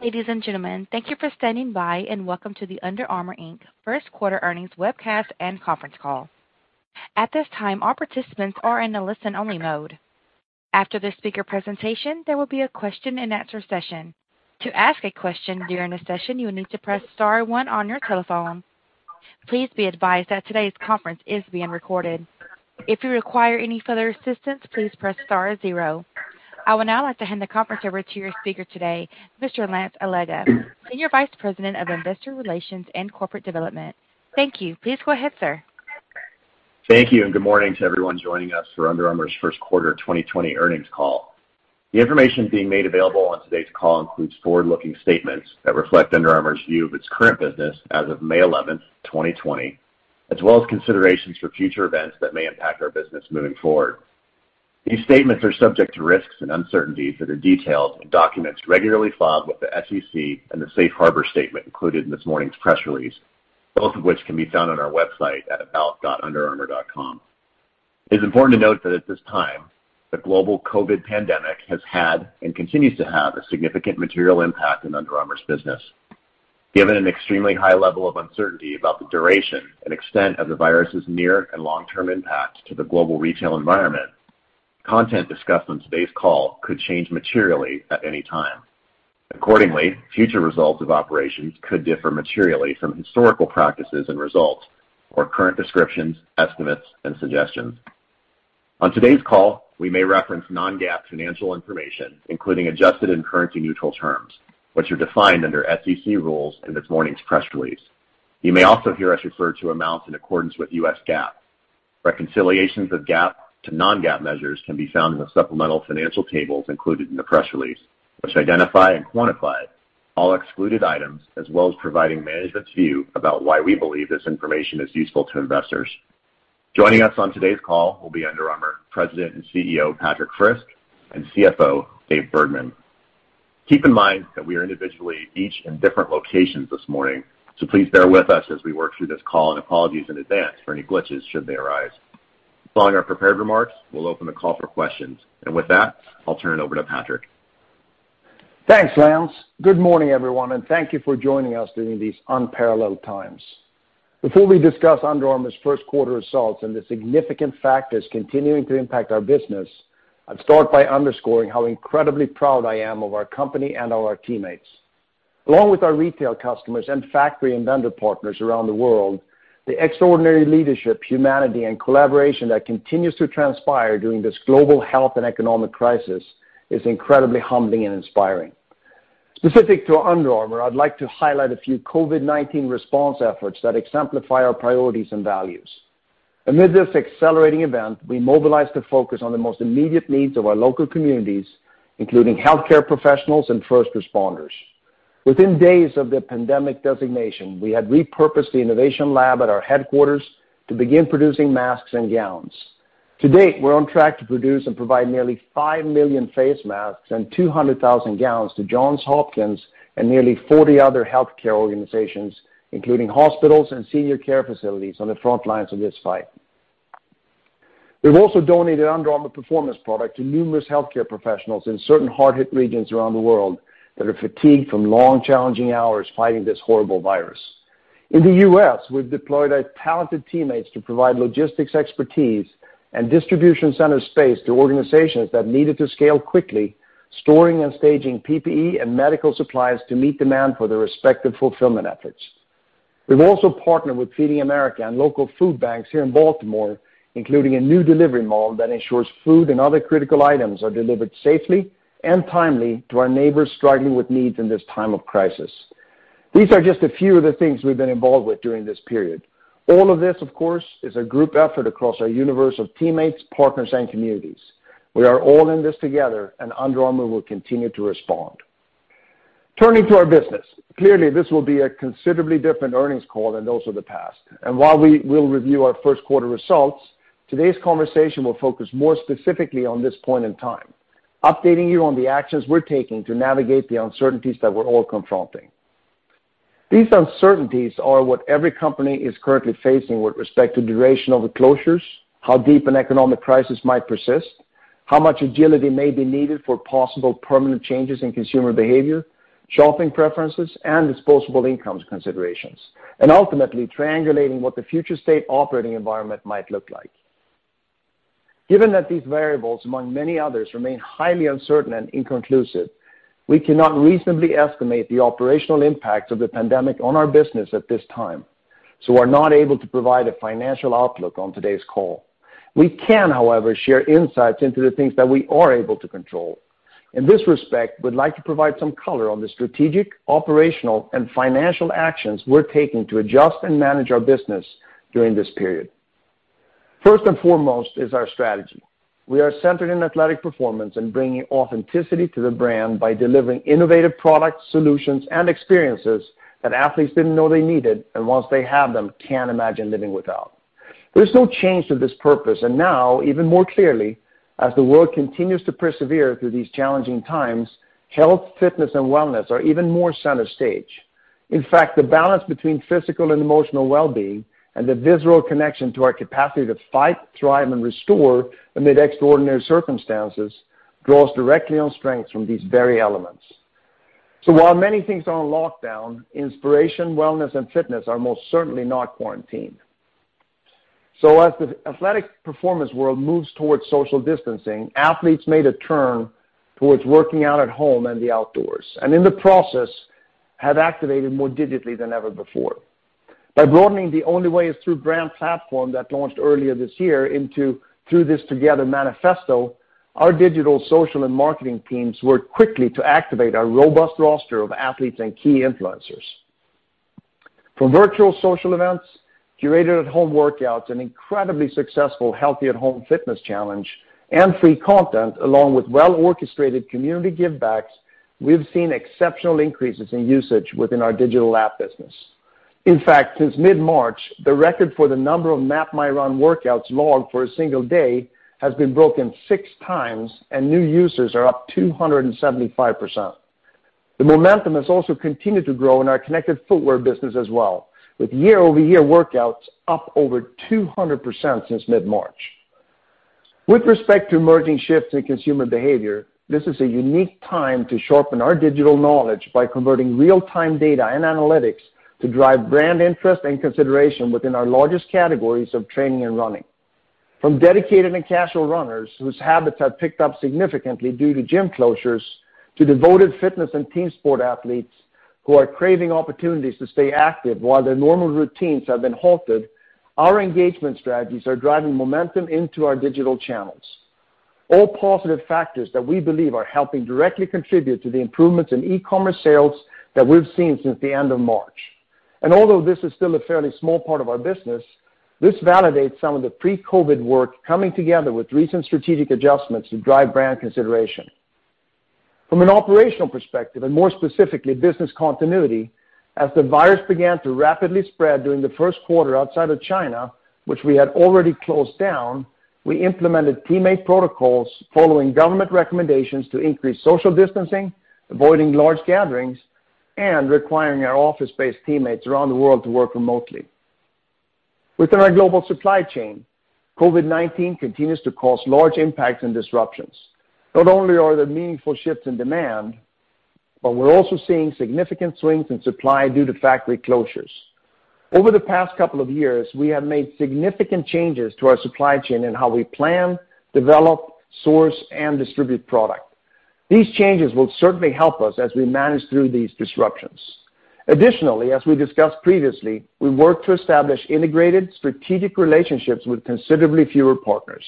Ladies and gentlemen, thank you for standing by, and welcome to the Under Armour, Inc. First Quarter Earnings Webcast and Conference Call. At this time, all participants are in a listen-only mode. After the speaker presentation, there will be a question-and-answer session. To ask a question during the session, you will need to press star one on your telephone. Please be advised that today's conference is being recorded. If you require any further assistance, please press star zero. I would now like to hand the conference over to your speaker today, Mr. Lance Allega, Senior Vice President of Investor Relations and Corporate Development. Thank you. Please go ahead, sir. Thank you, and good morning to everyone joining us for Under Armour's first quarter 2020 earnings call. The information being made available on today's call includes forward-looking statements that reflect Under Armour's view of its current business as of May 11, 2020, as well as considerations for future events that may impact our business moving forward. These statements are subject to risks and uncertainties that are detailed in documents regularly filed with the SEC and the safe harbor statement included in this morning's press release, both of which can be found on our website at about.underarmour.com. It is important to note that at this time, the global COVID-19 pandemic has had and continues to have a significant material impact on Under Armour's business. Given an extremely high level of uncertainty about the duration and extent of the virus's near and long-term impact to the global retail environment, content discussed on today's call could change materially at any time. Accordingly, future results of operations could differ materially from historical practices and results or current descriptions, estimates, and suggestions. On today's call, we may reference non-GAAP financial information, including adjusted and currency-neutral terms, which are defined under SEC rules in this morning's press release. You may also hear us refer to amounts in accordance with U.S. GAAP. Reconciliations of GAAP to non-GAAP measures can be found in the supplemental financial tables included in the press release, which identify and quantify all excluded items, as well as providing management's view about why we believe this information is useful to investors. Joining us on today's call will be Under Armour President and CEO, Patrik Frisk, and CFO, Dave Bergman. Please bear with us as we work through this call, and apologies in advance for any glitches should they arise. Following our prepared remarks, we'll open the call for questions. With that, I'll turn it over to Patrik. Thanks, Lance. Good morning, everyone, and thank you for joining us during these unparalleled times. Before we discuss Under Armour's first quarter results and the significant factors continuing to impact our business, I'd start by underscoring how incredibly proud I am of our company and all our teammates. Along with our retail customers and factory and vendor partners around the world, the extraordinary leadership, humanity, and collaboration that continues to transpire during this global health and economic crisis is incredibly humbling and inspiring. Specific to Under Armour, I'd like to highlight a few COVID-19 response efforts that exemplify our priorities and values. Amid this accelerating event, we mobilized to focus on the most immediate needs of our local communities, including healthcare professionals and first responders. Within days of the pandemic designation, we had repurposed the innovation lab at our headquarters to begin producing masks and gowns. To date, we're on track to produce and provide nearly 5 million face masks and 200,000 gowns to Johns Hopkins and nearly 40 other healthcare organizations, including hospitals and senior care facilities on the front lines of this fight. We've also donated Under Armour performance product to numerous healthcare professionals in certain hard-hit regions around the world that are fatigued from long, challenging hours fighting this horrible virus. In the U.S., we've deployed our talented teammates to provide logistics expertise and distribution center space to organizations that needed to scale quickly, storing and staging PPE and medical supplies to meet demand for their respective fulfillment efforts. We've also partnered with Feeding America and local food banks here in Baltimore, including a new delivery model that ensures food and other critical items are delivered safely and timely to our neighbors struggling with needs in this time of crisis. These are just a few of the things we've been involved with during this period. All of this, of course, is a group effort across our universe of teammates, partners, and communities. We are all in this together, and Under Armour will continue to respond. Turning to our business. Clearly, this will be a considerably different earnings call than those of the past. While we will review our first quarter results, today's conversation will focus more specifically on this point in time, updating you on the actions we're taking to navigate the uncertainties that we're all confronting. These uncertainties are what every company is currently facing with respect to duration of the closures, how deep an economic crisis might persist, how much agility may be needed for possible permanent changes in consumer behavior, shopping preferences, and disposable incomes considerations, and ultimately triangulating what the future state operating environment might look like. Given that these variables, among many others, remain highly uncertain and inconclusive, we cannot reasonably estimate the operational impact of the pandemic on our business at this time, so we're not able to provide a financial outlook on today's call. We can, however, share insights into the things that we are able to control. In this respect, we'd like to provide some color on the strategic, operational, and financial actions we're taking to adjust and manage our business during this period. First and foremost is our strategy. We are centered in athletic performance and bringing authenticity to the brand by delivering innovative products, solutions, and experiences that athletes didn't know they needed, and once they have them, can't imagine living without. There's no change to this purpose, and now, even more clearly, as the world continues to persevere through these challenging times, health, fitness, and wellness are even more center stage. In fact, the balance between physical and emotional well-being and the visceral connection to our capacity to fight, thrive, and restore amid extraordinary circumstances draws directly on strengths from these very elements. While many things are on lockdown, inspiration, wellness, and fitness are most certainly not quarantined. As the athletic performance world moves towards social distancing, athletes made a turn towards working out at home and the outdoors, and in the process have activated more digitally than ever before. By broadening The Only Way Is Through brand platform that launched earlier this year into Through This Together manifesto, our digital, social, and marketing teams worked quickly to activate our robust roster of athletes and key influencers. From virtual social events, curated at-home workouts, an incredibly successful Healthy at Home fitness challenge, and free content, along with well-orchestrated community givebacks, we've seen exceptional increases in usage within our digital app business. In fact, since mid-March, the record for the number of MapMyRun workouts logged for a single day has been broken six times, and new users are up 275%. The momentum has also continued to grow in our Connected Fitness footwear business as well, with year-over-year workouts up over 200% since mid-March. With respect to emerging shifts in consumer behavior, this is a unique time to sharpen our digital knowledge by converting real-time data and analytics to drive brand interest and consideration within our largest categories of training and running. From dedicated and casual runners whose habits have picked up significantly due to gym closures, to devoted fitness and team sport athletes who are craving opportunities to stay active while their normal routines have been halted, our engagement strategies are driving momentum into our digital channels. All positive factors that we believe are helping directly contribute to the improvements in e-commerce sales that we've seen since the end of March. Although this is still a fairly small part of our business, this validates some of the pre-COVID work coming together with recent strategic adjustments to drive brand consideration. From an operational perspective, and more specifically, business continuity, as the virus began to rapidly spread during the first quarter outside of China, which we had already closed down, we implemented teammate protocols following government recommendations to increase social distancing, avoiding large gatherings, and requiring our office-based teammates around the world to work remotely. Within our global supply chain, COVID-19 continues to cause large impacts and disruptions. Not only are there meaningful shifts in demand, but we're also seeing significant swings in supply due to factory closures. Over the past couple of years, we have made significant changes to our supply chain and how we plan, develop, source, and distribute product. These changes will certainly help us as we manage through these disruptions. Additionally, as we discussed previously, we worked to establish integrated strategic relationships with considerably fewer partners.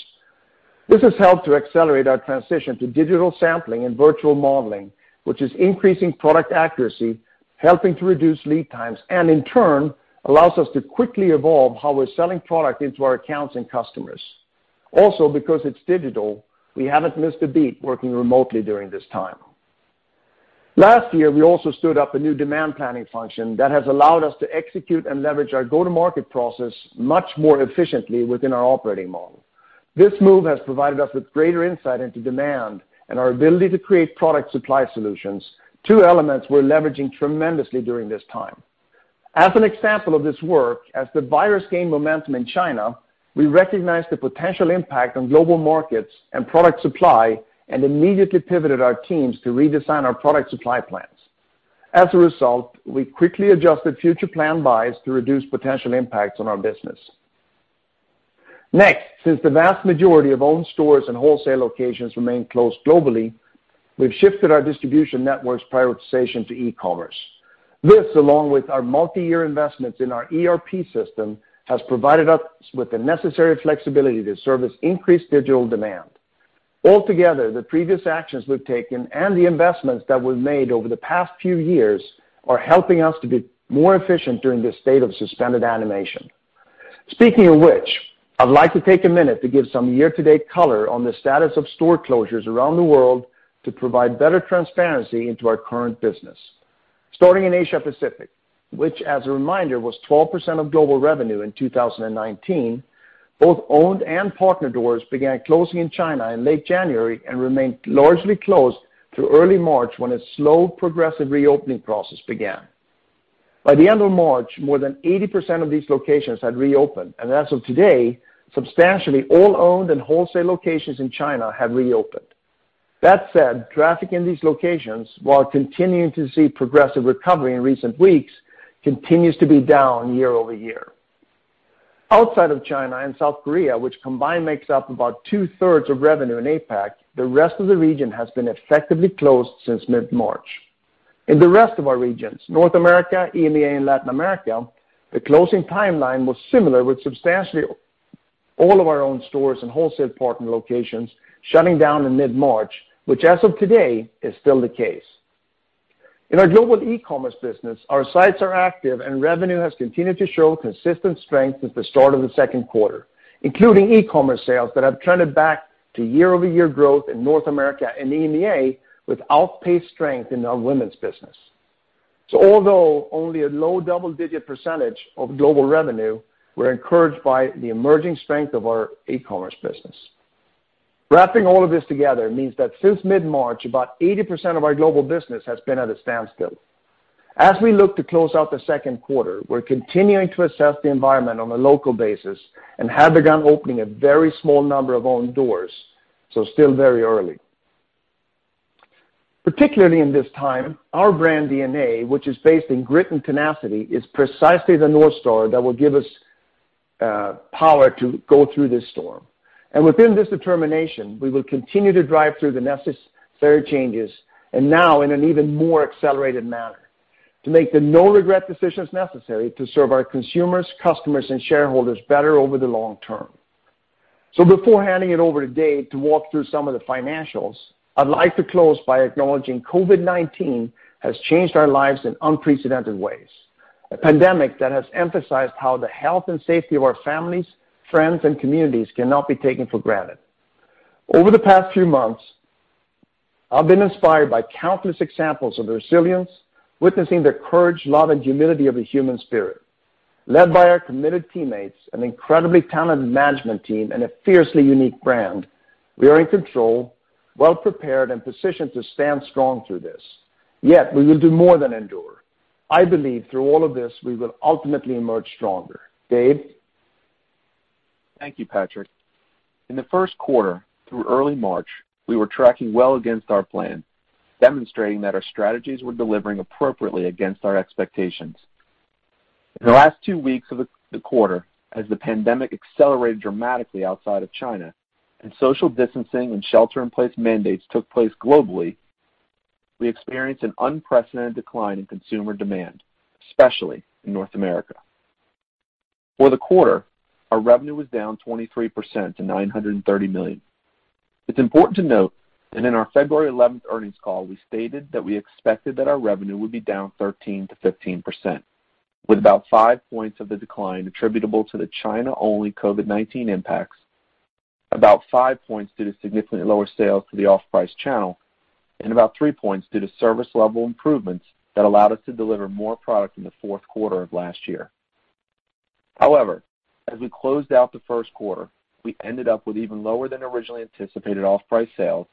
This has helped to accelerate our transition to digital sampling and virtual modeling, which is increasing product accuracy, helping to reduce lead times, and in turn, allows us to quickly evolve how we're selling product into our accounts and customers. Because it's digital, we haven't missed a beat working remotely during this time. Last year, we also stood up a new demand planning function that has allowed us to execute and leverage our go-to-market process much more efficiently within our operating model. This move has provided us with greater insight into demand and our ability to create product supply solutions, two elements we're leveraging tremendously during this time. As an example of this work, as the virus gained momentum in China, we recognized the potential impact on global markets and product supply and immediately pivoted our teams to redesign our product supply plans. As a result, we quickly adjusted future plan buys to reduce potential impacts on our business. Next, since the vast majority of owned stores and wholesale locations remain closed globally, we've shifted our distribution network's prioritization to e-commerce. This, along with our multi-year investments in our ERP system, has provided us with the necessary flexibility to service increased digital demand. Altogether, the previous actions we've taken and the investments that we've made over the past few years are helping us to be more efficient during this state of suspended animation. Speaking of which, I'd like to take a minute to give some year-to-date color on the status of store closures around the world to provide better transparency into our current business. Starting in Asia Pacific, which as a reminder, was 12% of global revenue in 2019, both owned and partner doors began closing in China in late January and remained largely closed through early March when a slow, progressive reopening process began. By the end of March, more than 80% of these locations had reopened. As of today, substantially all owned and wholesale locations in China have reopened. That said, traffic in these locations, while continuing to see progressive recovery in recent weeks, continues to be down year-over-year. Outside of China and South Korea, which combined makes up about two-thirds of revenue in APAC, the rest of the region has been effectively closed since mid-March. In the rest of our regions, North America, EMEA, and Latin America, the closing timeline was similar, with substantially all of our own stores and wholesale partner locations shutting down in mid-March, which as of today is still the case. In our global e-commerce business, our sites are active, and revenue has continued to show consistent strength since the start of the second quarter, including e-commerce sales that have trended back to year-over-year growth in North America and EMEA, with outpaced strength in our women's business. Although only a low double-digit percentage of global revenue, we're encouraged by the emerging strength of our e-commerce business. Wrapping all of this together means that since mid-March, about 80% of our global business has been at a standstill. As we look to close out the second quarter, we're continuing to assess the environment on a local basis and have begun opening a very small number of own doors, so still very early. Particularly in this time, our brand DNA, which is based in grit and tenacity, is precisely the North Star that will give us power to go through this storm. Within this determination, we will continue to drive through the necessary changes, and now in an even more accelerated manner, to make the no-regret decisions necessary to serve our consumers, customers, and shareholders better over the long term. Before handing it over to Dave to walk through some of the financials, I'd like to close by acknowledging COVID-19 has changed our lives in unprecedented ways. A pandemic that has emphasized how the health and safety of our families, friends, and communities cannot be taken for granted. Over the past few months, I've been inspired by countless examples of the resilience, witnessing the courage, love, and humility of the human spirit, led by our committed teammates, an incredibly talented management team, and a fiercely unique brand. We are in control, well-prepared, and positioned to stand strong through this. Yet, we will do more than endure. I believe through all of this, we will ultimately emerge stronger. Dave? Thank you, Patrik. In the first quarter through early March, we were tracking well against our plan, demonstrating that our strategies were delivering appropriately against our expectations. In the last two weeks of the quarter, as the pandemic accelerated dramatically outside of China and social distancing and shelter-in-place mandates took place globally, we experienced an unprecedented decline in consumer demand, especially in North America. For the quarter, our revenue was down 23% to $930 million. It's important to note that in our February 11th earnings call, we stated that we expected that our revenue would be down 13%-15%, with about five points of the decline attributable to the China-only COVID-19 impacts, about five points due to significantly lower sales to the off-price channel, and about three points due to service level improvements that allowed us to deliver more product in the fourth quarter of last year. As we closed out the first quarter, we ended up with even lower than originally anticipated off-price sales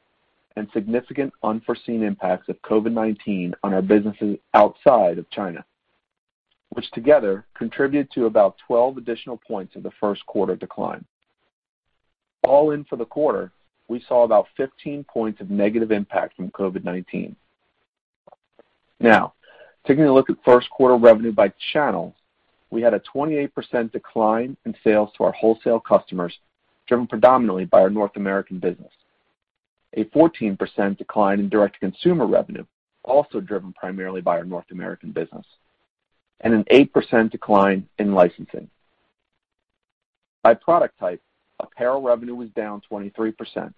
and significant unforeseen impacts of COVID-19 on our businesses outside of China, which together contributed to about 12 additional points of the first quarter decline. All in for the quarter, we saw about 15 points of negative impact from COVID-19. Now, taking a look at first quarter revenue by channel, we had a 28% decline in sales to our wholesale customers, driven predominantly by our North American business. A 14% decline in direct-to-consumer revenue, also driven primarily by our North American business, and an 8% decline in licensing. By product type, apparel revenue was down 23%,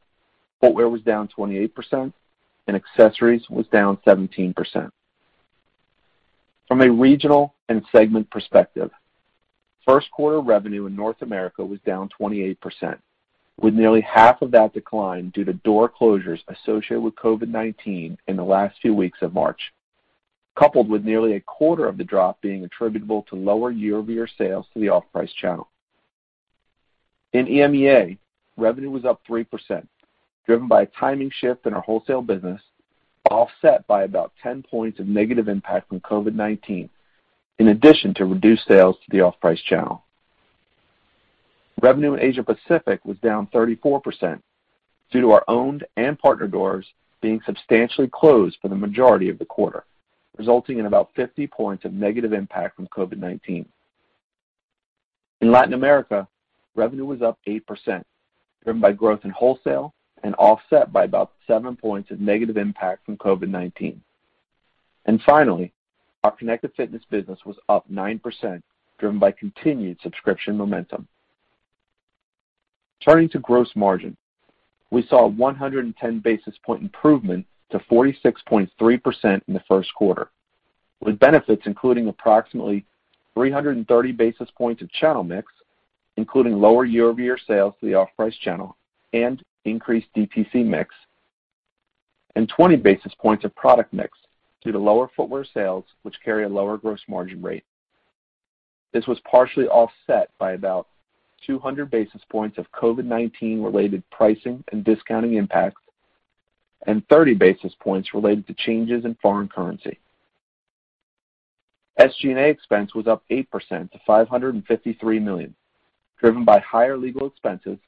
footwear was down 28%, and accessories was down 17%. From a regional and segment perspective, first quarter revenue in North America was down 28%, with nearly half of that decline due to door closures associated with COVID-19 in the last few weeks of March, coupled with nearly a quarter of the drop being attributable to lower year-over-year sales to the off-price channel. In EMEA, revenue was up 3%, driven by a timing shift in our wholesale business, offset by about 10 points of negative impact from COVID-19, in addition to reduced sales to the off-price channel. Revenue in Asia Pacific was down 34% due to our owned and partner doors being substantially closed for the majority of the quarter, resulting in about 50 points of negative impact from COVID-19. In Latin America, revenue was up 8%, driven by growth in wholesale and offset by about 7 points of negative impact from COVID-19. Finally, our Connected Fitness business was up 9%, driven by continued subscription momentum. Turning to gross margin, we saw a 110 basis point improvement to 46.3% in the first quarter, with benefits including approximately 330 basis points of channel mix, including lower year-over-year sales to the off-price channel and increased DTC mix, and 20 basis points of product mix due to lower footwear sales, which carry a lower gross margin rate. This was partially offset by about 200 basis points of COVID-19 related pricing and discounting impacts, and 30 basis points related to changes in foreign currency. SG&A expense was up 8% to $553 million, driven by higher legal expenses,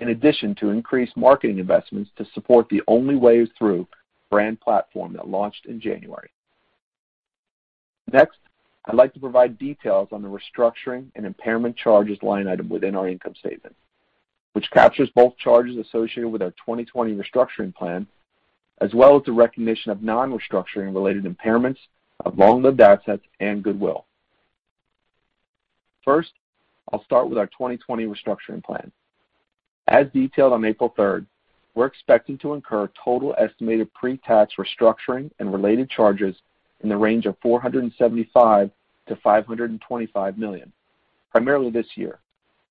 in addition to increased marketing investments to support The Only Way Is Through brand platform that launched in January. Next, I'd like to provide details on the restructuring and impairment charges line item within our income statement, which captures both charges associated with our 2020 restructuring plan, as well as the recognition of non-restructuring related impairments of long-lived assets and goodwill. First, I'll start with our 2020 restructuring plan. As detailed on April 3rd, we're expecting to incur total estimated pre-tax restructuring and related charges in the range of $475 million-$525 million, primarily this year,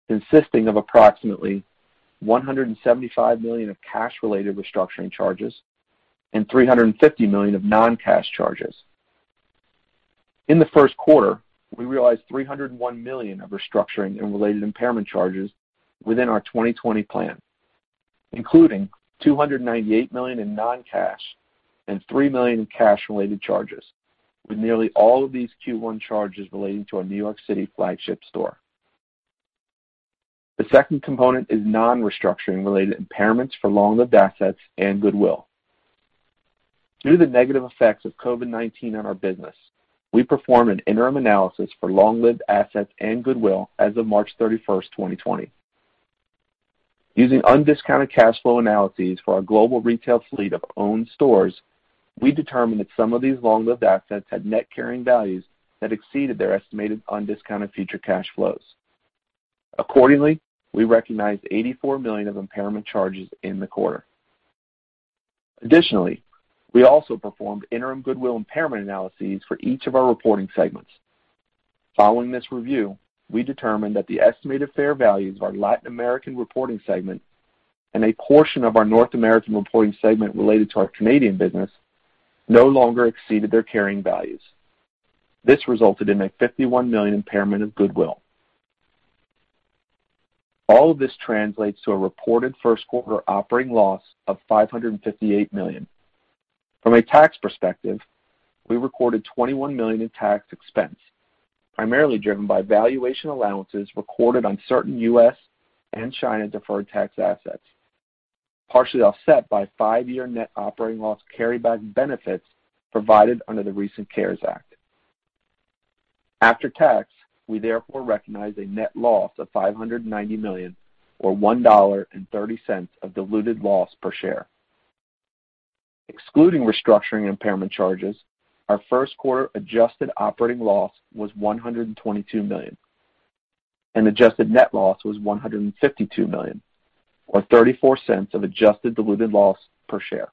consisting of approximately $175 million of cash related restructuring charges and $350 million of non-cash charges. In the first quarter, we realized $301 million of restructuring and related impairment charges within our 2020 plan, including $298 million in non-cash and $3 million in cash related charges, with nearly all of these Q1 charges relating to our New York City flagship store. The second component is non-restructuring related impairments for long-lived assets and goodwill. Due to the negative effects of COVID-19 on our business, we performed an interim analysis for long-lived assets and goodwill as of March 31st, 2020. Using undiscounted cash flow analyses for our global retail fleet of owned stores, we determined that some of these long-lived assets had net carrying values that exceeded their estimated undiscounted future cash flows. Accordingly, we recognized $84 million of impairment charges in the quarter. Additionally, we also performed interim goodwill impairment analyses for each of our reporting segments. Following this review, we determined that the estimated fair values of our Latin American reporting segment and a portion of our North American reporting segment related to our Canadian business no longer exceeded their carrying values. This resulted in a $51 million impairment of goodwill. All of this translates to a reported first quarter operating loss of $558 million. From a tax perspective, we recorded $21 million in tax expense, primarily driven by valuation allowances recorded on certain U.S. and China deferred tax assets, partially offset by 5-year net operating loss carryback benefits provided under the recent CARES Act. After tax, we therefore recognized a net loss of $590 million or $1.30 of diluted loss per share. Excluding restructuring impairment charges, our first quarter adjusted operating loss was $122 million, and adjusted net loss was $152 million, or $0.34 of adjusted diluted loss per share.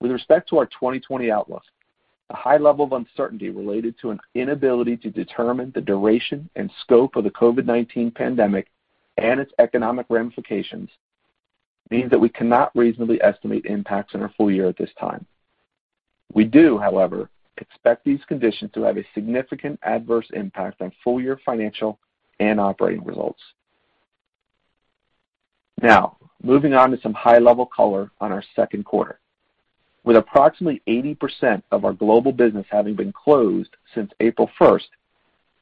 With respect to our 2020 outlook, a high level of uncertainty related to an inability to determine the duration and scope of the COVID-19 pandemic and its economic ramifications means that we cannot reasonably estimate impacts on our full year at this time. We do, however, expect these conditions to have a significant adverse impact on full-year financial and operating results. Moving on to some high-level color on our second quarter. With approximately 80% of our global business having been closed since April 1st,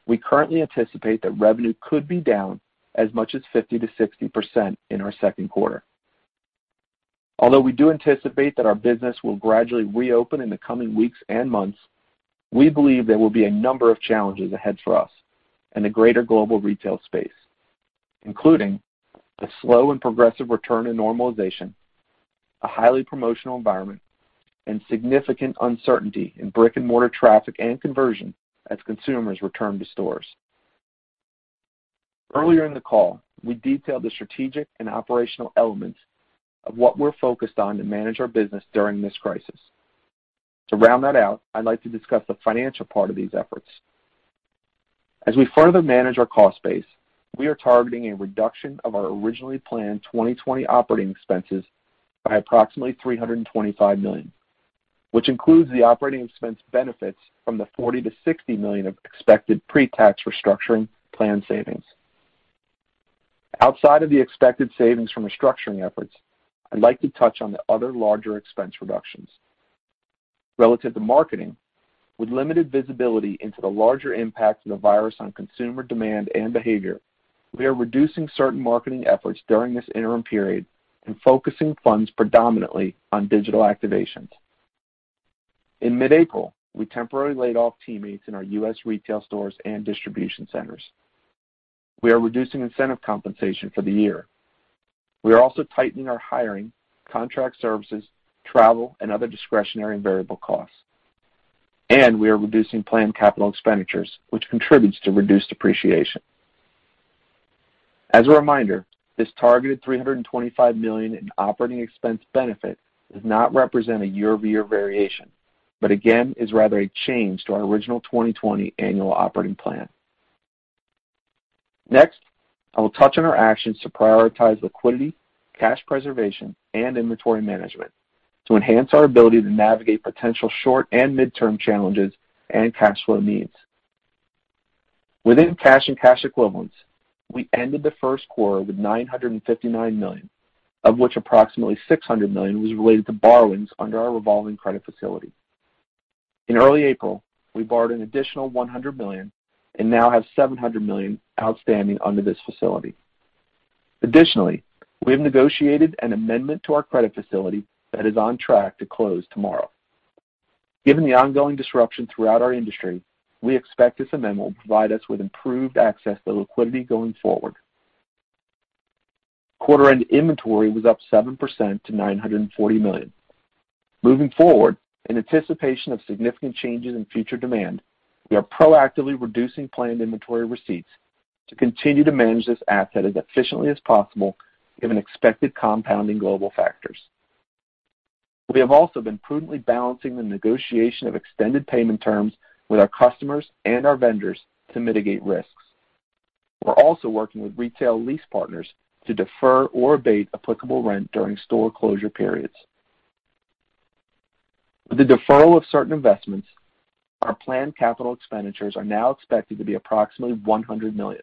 we currently anticipate that revenue could be down as much as 50%-60% in our second quarter. We do anticipate that our business will gradually reopen in the coming weeks and months, we believe there will be a number of challenges ahead for us and the greater global retail space, including a slow and progressive return to normalization, a highly promotional environment, and significant uncertainty in brick-and-mortar traffic and conversion as consumers return to stores. Earlier in the call, we detailed the strategic and operational elements of what we're focused on to manage our business during this crisis. To round that out, I'd like to discuss the financial part of these efforts. As we further manage our cost base, we are targeting a reduction of our originally planned 2020 operating expenses by approximately $325 million, which includes the operating expense benefits from the $40 million-$60 million of expected pre-tax restructuring plan savings. Outside of the expected savings from restructuring efforts, I'd like to touch on the other larger expense reductions. Relative to marketing, with limited visibility into the larger impact of the virus on consumer demand and behavior, we are reducing certain marketing efforts during this interim period and focusing funds predominantly on digital activations. In mid-April, we temporarily laid off teammates in our U.S. retail stores and distribution centers. We are reducing incentive compensation for the year. We are also tightening our hiring, contract services, travel, and other discretionary and variable costs, and we are reducing planned capital expenditures, which contributes to reduced depreciation. As a reminder, this targeted $325 million in operating expense benefit does not represent a year-over-year variation, but again, is rather a change to our original 2020 annual operating plan. I will touch on our actions to prioritize liquidity, cash preservation, and inventory management to enhance our ability to navigate potential short and midterm challenges and cash flow needs. Within cash and cash equivalents, we ended the first quarter with $959 million, of which approximately $600 million was related to borrowings under our revolving credit facility. In early April, we borrowed an additional $100 million and now have $700 million outstanding under this facility. We have negotiated an amendment to our credit facility that is on track to close tomorrow. Given the ongoing disruption throughout our industry, we expect this amendment will provide us with improved access to liquidity going forward. Quarter end inventory was up 7% to $940 million. Moving forward, in anticipation of significant changes in future demand, we are proactively reducing planned inventory receipts to continue to manage this asset as efficiently as possible given expected compounding global factors. We have also been prudently balancing the negotiation of extended payment terms with our customers and our vendors to mitigate risks. We're also working with retail lease partners to defer or abate applicable rent during store closure periods. With the deferral of certain investments, our planned capital expenditures are now expected to be approximately $100 million,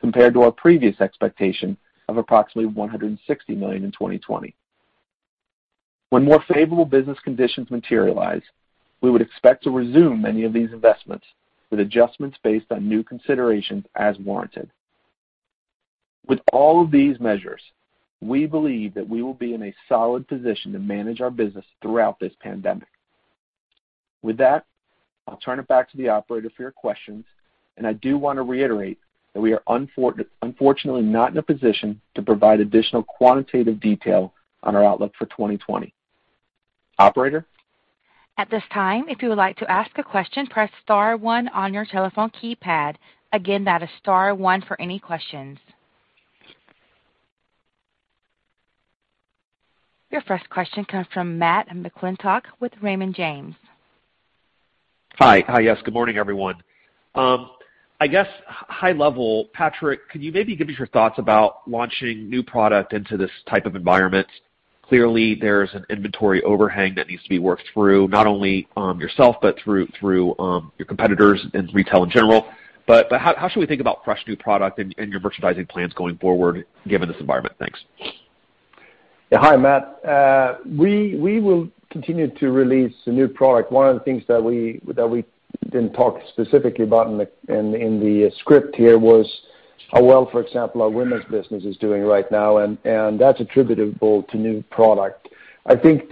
compared to our previous expectation of approximately $160 million in 2020. When more favorable business conditions materialize, we would expect to resume many of these investments with adjustments based on new considerations as warranted. With all of these measures, we believe that we will be in a solid position to manage our business throughout this pandemic. With that, I'll turn it back to the operator for your questions, and I do want to reiterate that we are unfortunately not in a position to provide additional quantitative detail on our outlook for 2020. Operator? At this time, if you would like to ask a question, press star one on your telephone keypad. Again, that is star one for any questions. Your first question comes from Matt McClintock with Raymond James. Hi. Yes, good morning, everyone. I guess, high level, Patrik, could you maybe give us your thoughts about launching new product into this type of environment? Clearly, there's an inventory overhang that needs to be worked through, not only yourself, but through your competitors and retail in general. How should we think about fresh new product and your merchandising plans going forward given this environment? Thanks. Yeah. Hi, Matt. We will continue to release new product. One of the things that we didn't talk specifically about in the script here was how well, for example, our women's business is doing right now, and that's attributable to new product. I think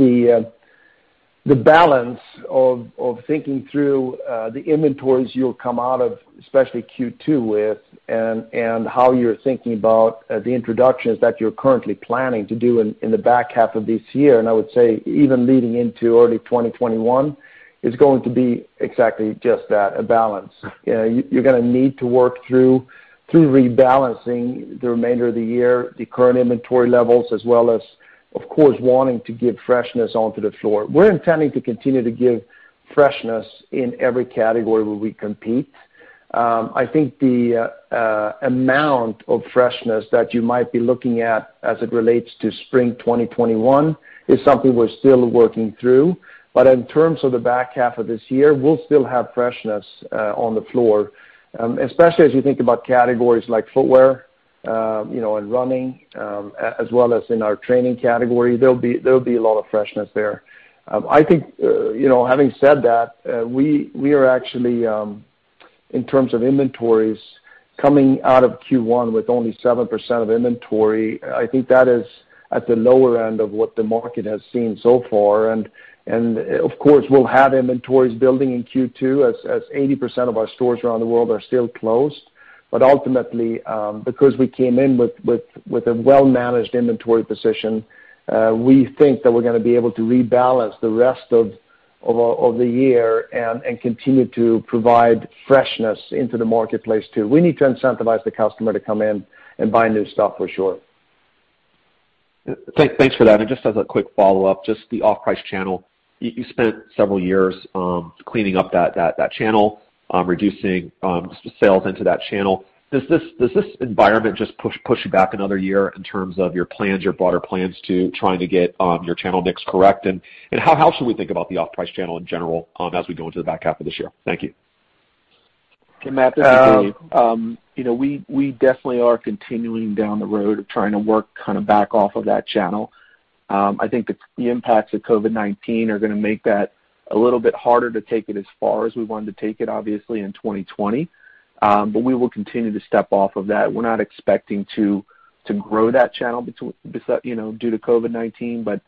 the balance of thinking through the inventories you'll come out of, especially Q2 with, and how you're thinking about the introductions that you're currently planning to do in the back half of this year, and I would say even leading into early 2021, is going to be exactly just that, a balance. You're going to need to work through rebalancing the remainder of the year, the current inventory levels, as well as, of course, wanting to give freshness onto the floor. We're intending to continue to give freshness in every category where we compete. I think the amount of freshness that you might be looking at as it relates to spring 2021 is something we're still working through. In terms of the back half of this year, we'll still have freshness on the floor, especially as you think about categories like footwear and running, as well as in our training category. There'll be a lot of freshness there. I think, having said that, we are actually, in terms of inventories, coming out of Q1 with only 7% of inventory. I think that is at the lower end of what the market has seen so far. Of course, we'll have inventories building in Q2, as 80% of our stores around the world are still closed. Ultimately, because we came in with a well-managed inventory position, we think that we're going to be able to rebalance the rest of the year and continue to provide freshness into the marketplace, too. We need to incentivize the customer to come in and buy new stuff for sure. Thanks for that. Just as a quick follow-up, just the off-price channel. You spent several years cleaning up that channel, reducing sales into that channel. Does this environment just push you back another year in terms of your broader plans to trying to get your channel mix correct? How should we think about the off-price channel in general as we go into the back half of this year? Thank you. Matt, this is Dave. We definitely are continuing down the road of trying to work back off of that channel. I think the impacts of COVID-19 are going to make that a little bit harder to take it as far as we wanted to take it, obviously, in 2020. We will continue to step off of that. We're not expecting to grow that channel due to COVID-19, but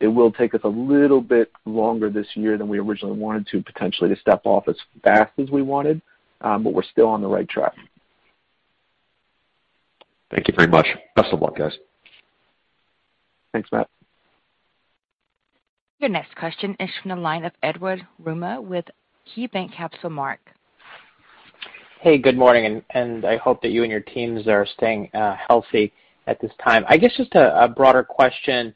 it will take us a little bit longer this year than we originally wanted to, potentially, to step off as fast as we wanted. We're still on the right track. Thank you very much. Best of luck, guys. Thanks, Matt. Your next question is from the line of Edward Yruma with KeyBanc Capital Markets. Hey, good morning. I hope that you and your teams are staying healthy at this time. I guess just a broader question.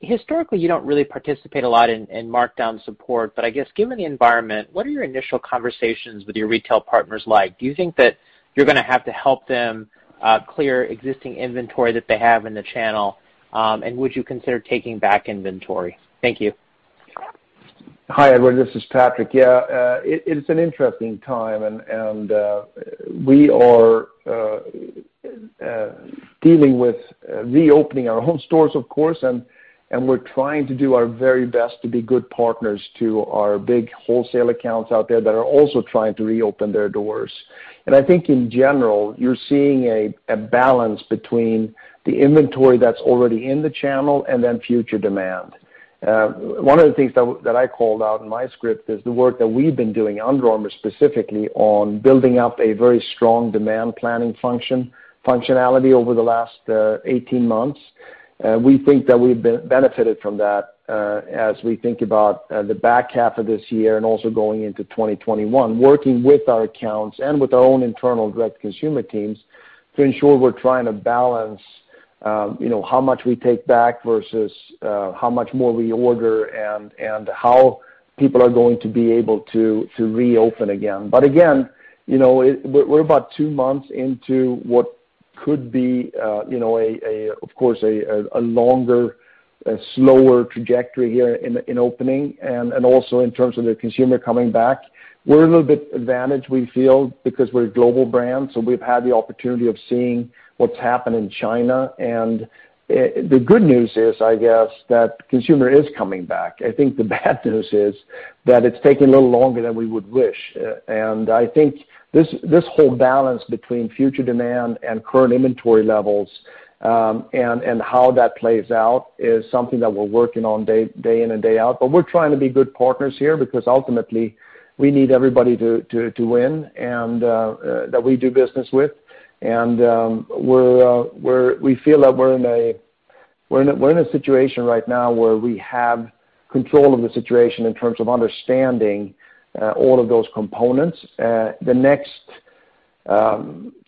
Historically, you don't really participate a lot in markdown support. I guess given the environment, what are your initial conversations with your retail partners like? Do you think that you're going to have to help them clear existing inventory that they have in the channel? Would you consider taking back inventory? Thank you. Hi, Edward. This is Patrik. Yeah. We are dealing with reopening our own stores, of course, and we're trying to do our very best to be good partners to our big wholesale accounts out there that are also trying to reopen their doors. I think in general, you're seeing a balance between the inventory that's already in the channel and then future demand. One of the things that I called out in my script is the work that we've been doing, Under Armour specifically, on building up a very strong demand planning functionality over the last 18 months. We think that we've benefited from that as we think about the back half of this year and also going into 2021, working with our accounts and with our own internal direct consumer teams. To ensure we're trying to balance how much we take back versus how much more we order, and how people are going to be able to reopen again. Again, we're about two months into what could be a longer, slower trajectory here in opening, and also in terms of the consumer coming back. We're a little bit advantaged, we feel, because we're a global brand, so we've had the opportunity of seeing what's happened in China. The good news is, I guess, that consumer is coming back. I think the bad news is that it's taking a little longer than we would wish. I think this whole balance between future demand and current inventory levels, and how that plays out is something that we're working on day in and day out. We're trying to be good partners here because ultimately, we need everybody to win, and that we do business with. We feel that we're in a situation right now where we have control of the situation in terms of understanding all of those components. The next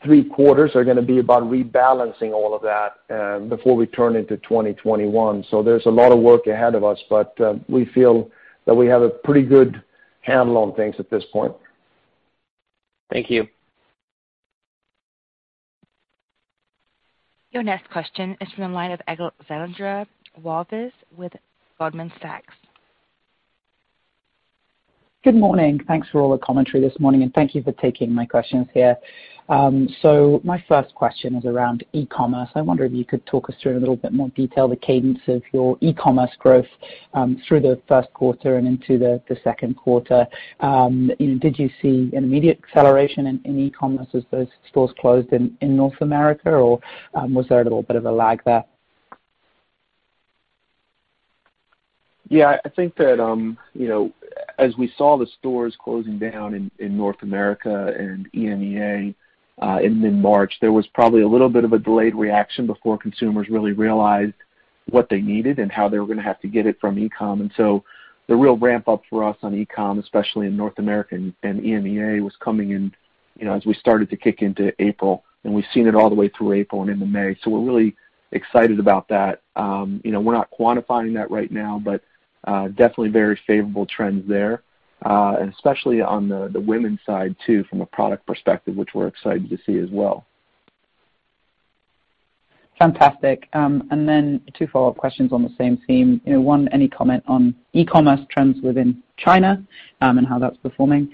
three quarters are going to be about rebalancing all of that before we turn into 2021. There's a lot of work ahead of us, but we feel that we have a pretty good handle on things at this point. Thank you. Your next question is from the line of Alexandra Walvis with Goldman Sachs. Good morning. Thanks for all the commentary this morning, thank you for taking my questions here. My first question is around e-commerce. I wonder if you could talk us through in a little bit more detail the cadence of your e-commerce growth through the first quarter and into the second quarter. Did you see an immediate acceleration in e-commerce as those stores closed in North America, or was there a little bit of a lag there? Yeah. I think that as we saw the stores closing down in North America and EMEA in mid-March, there was probably a little bit of a delayed reaction before consumers really realized what they needed and how they were going to have to get it from e-com. The real ramp up for us on e-com, especially in North America and EMEA, was coming in as we started to kick into April, and we've seen it all the way through April and into May. We're really excited about that. We're not quantifying that right now, definitely very favorable trends there, especially on the women's side, too, from a product perspective, which we're excited to see as well. Fantastic. Two follow-up questions on the same theme. One, any comment on e-commerce trends within China and how that's performing?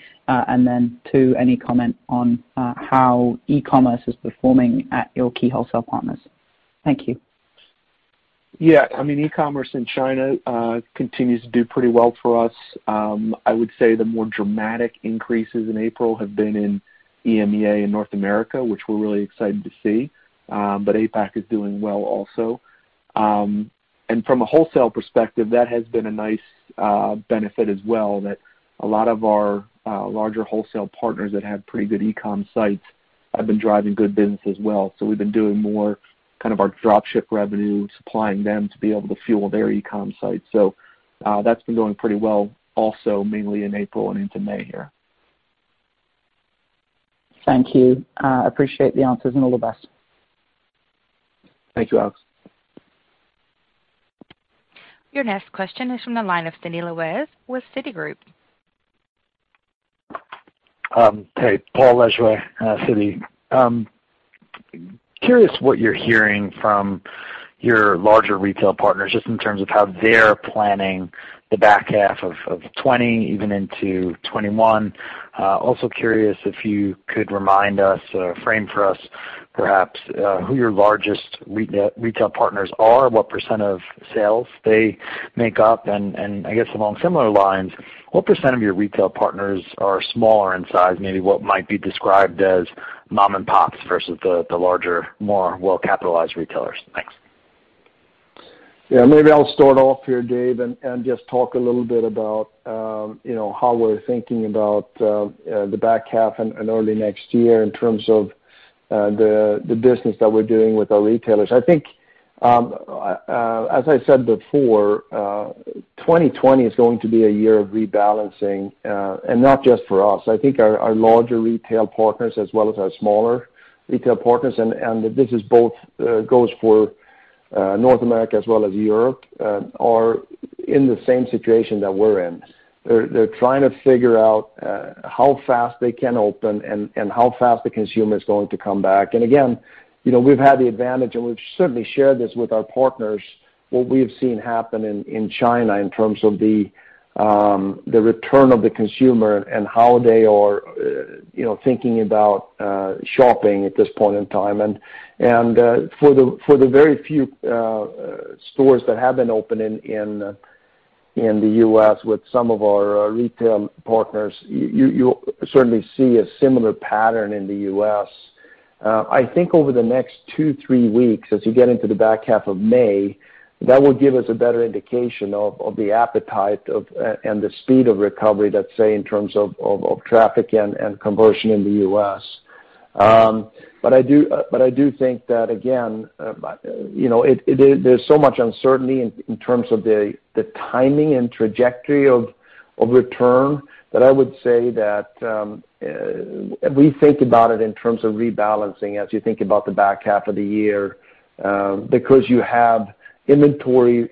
Two, any comment on how e-commerce is performing at your key wholesale partners? Thank you. Yeah. E-commerce in China continues to do pretty well for us. I would say the more dramatic increases in April have been in EMEA and North America, which we're really excited to see. APAC is doing well also. From a wholesale perspective, that has been a nice benefit as well, that a lot of our larger wholesale partners that have pretty good e-com sites have been driving good business as well. We've been doing more our drop ship revenue, supplying them to be able to fuel their e-com sites. That's been going pretty well also mainly in April and into May here. Thank you. Appreciate the answers and all the best. Thank you, Alex. Your next question is from the line of Daniel Wes with Citigroup. Hey. Paul Lejuez, Citi. Curious what you're hearing from your larger retail partners, just in terms of how they're planning the back half of 2020, even into 2021. Also curious if you could remind us or frame for us, perhaps, who your largest retail partners are, what % of sales they make up. I guess along similar lines, what % of your retail partners are smaller in size, maybe what might be described as mom and pops versus the larger, more well-capitalized retailers? Thanks. Yeah, maybe I'll start off here, Dave, and just talk a little bit about how we're thinking about the back half and early next year in terms of the business that we're doing with our retailers. I think, as I said before, 2020 is going to be a year of rebalancing, and not just for us. I think our larger retail partners as well as our smaller retail partners, and this both goes for North America as well as Europe, are in the same situation that we're in. They're trying to figure out how fast they can open and how fast the consumer is going to come back. Again, we've had the advantage, and we've certainly shared this with our partners, what we've seen happen in China in terms of the return of the consumer and how they are thinking about shopping at this point in time. For the very few stores that have been open in the U.S. with some of our retail partners, you certainly see a similar pattern in the U.S. I think over the next two, three weeks, as you get into the back half of May, that will give us a better indication of the appetite and the speed of recovery, let's say, in terms of traffic and conversion in the U.S. I do think that, again, there's so much uncertainty in terms of the timing and trajectory of return that I would say that we think about it in terms of rebalancing as you think about the back half of the year because you have inventory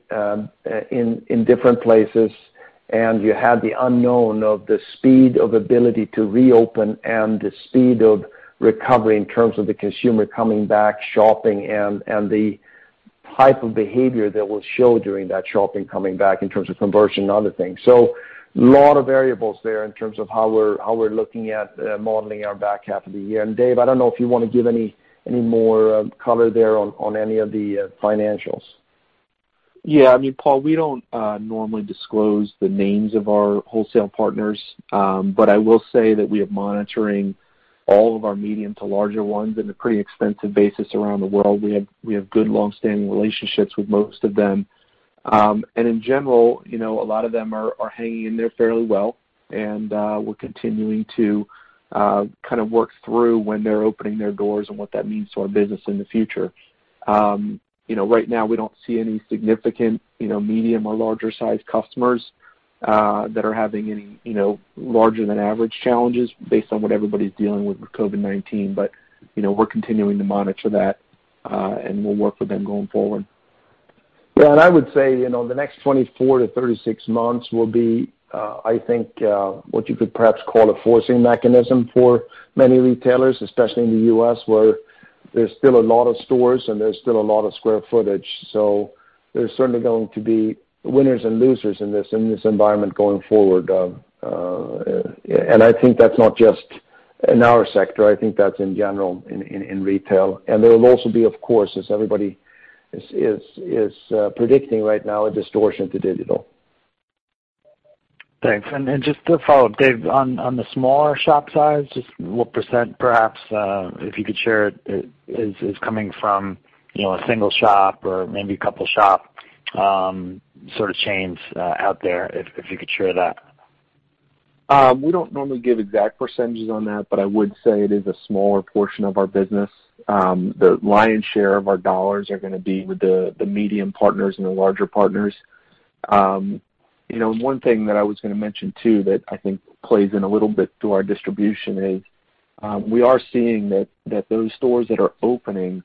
in different places, and you had the unknown of the speed of ability to reopen and the speed of recovery in terms of the consumer coming back shopping and the type of behavior that will show during that shopping coming back in terms of conversion and other things. A lot of variables there in terms of how we're looking at modeling our back half of the year. Dave, I don't know if you want to give any more color there on any of the financials. Yeah. Paul, we don't normally disclose the names of our wholesale partners. I will say that we are monitoring all of our medium to larger ones in a pretty extensive basis around the world. We have good longstanding relationships with most of them. In general, a lot of them are hanging in there fairly well, and we're continuing to work through when they're opening their doors and what that means to our business in the future. Right now, we don't see any significant medium or larger sized customers that are having any larger than average challenges based on what everybody's dealing with COVID-19. We're continuing to monitor that, and we'll work with them going forward. Yeah. I would say, the next 24 to 36 months will be, I think, what you could perhaps call a forcing mechanism for many retailers, especially in the U.S., where there's still a lot of stores and there's still a lot of square footage. There's certainly going to be winners and losers in this environment going forward. I think that's not just in our sector, I think that's in general in retail. There will also be, of course, as everybody is predicting right now, a distortion to digital. Thanks. Just to follow up, Dave, on the smaller shop size, just what % perhaps, if you could share, is coming from a single shop or maybe a couple shop chains out there, if you could share that? We don't normally give exact percentages on that, but I would say it is a smaller portion of our business. The lion's share of our dollars are going to be with the medium partners and the larger partners. One thing that I was going to mention too that I think plays in a little bit to our distribution is, we are seeing that those stores that are opening,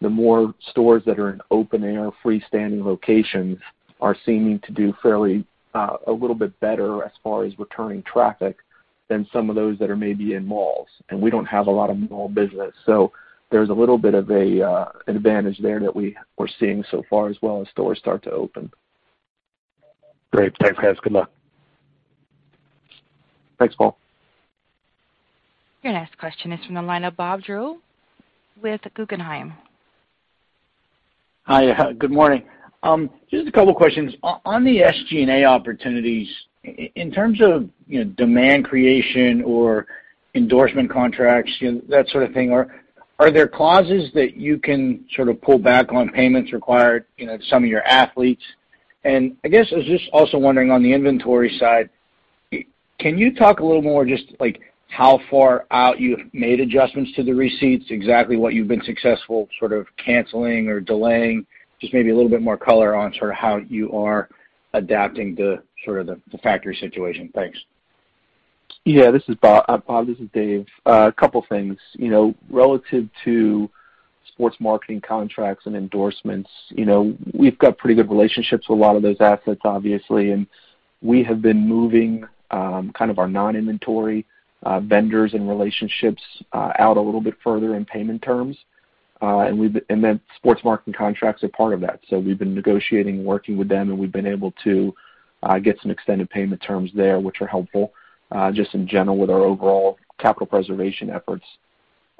the more stores that are in open-air freestanding locations are seeming to do a little bit better as far as returning traffic than some of those that are maybe in malls. We don't have a lot of mall business. There's a little bit of an advantage there that we're seeing so far as well as stores start to open. Great. Thanks, guys. Good luck. Thanks, Paul. Your next question is from the line of Bob Drbul with Guggenheim. Hi, good morning. Just a couple of questions. On the SG&A opportunities, in terms of demand creation or endorsement contracts, that sort of thing, are there clauses that you can pull back on payments required some of your athletes? I guess I was just also wondering on the inventory side, can you talk a little more just how far out you've made adjustments to the receipts, exactly what you've been successful sort of canceling or delaying, just maybe a little bit more color on how you are adapting the factory situation? Thanks. Yeah. Bob, this is Dave. A couple things. Relative to sports marketing contracts and endorsements, we've got pretty good relationships with a lot of those assets, obviously, and we have been moving our non-inventory vendors and relationships out a little bit further in payment terms. Then sports marketing contracts are part of that. We've been negotiating and working with them, and we've been able to get some extended payment terms there, which are helpful, just in general with our overall capital preservation efforts.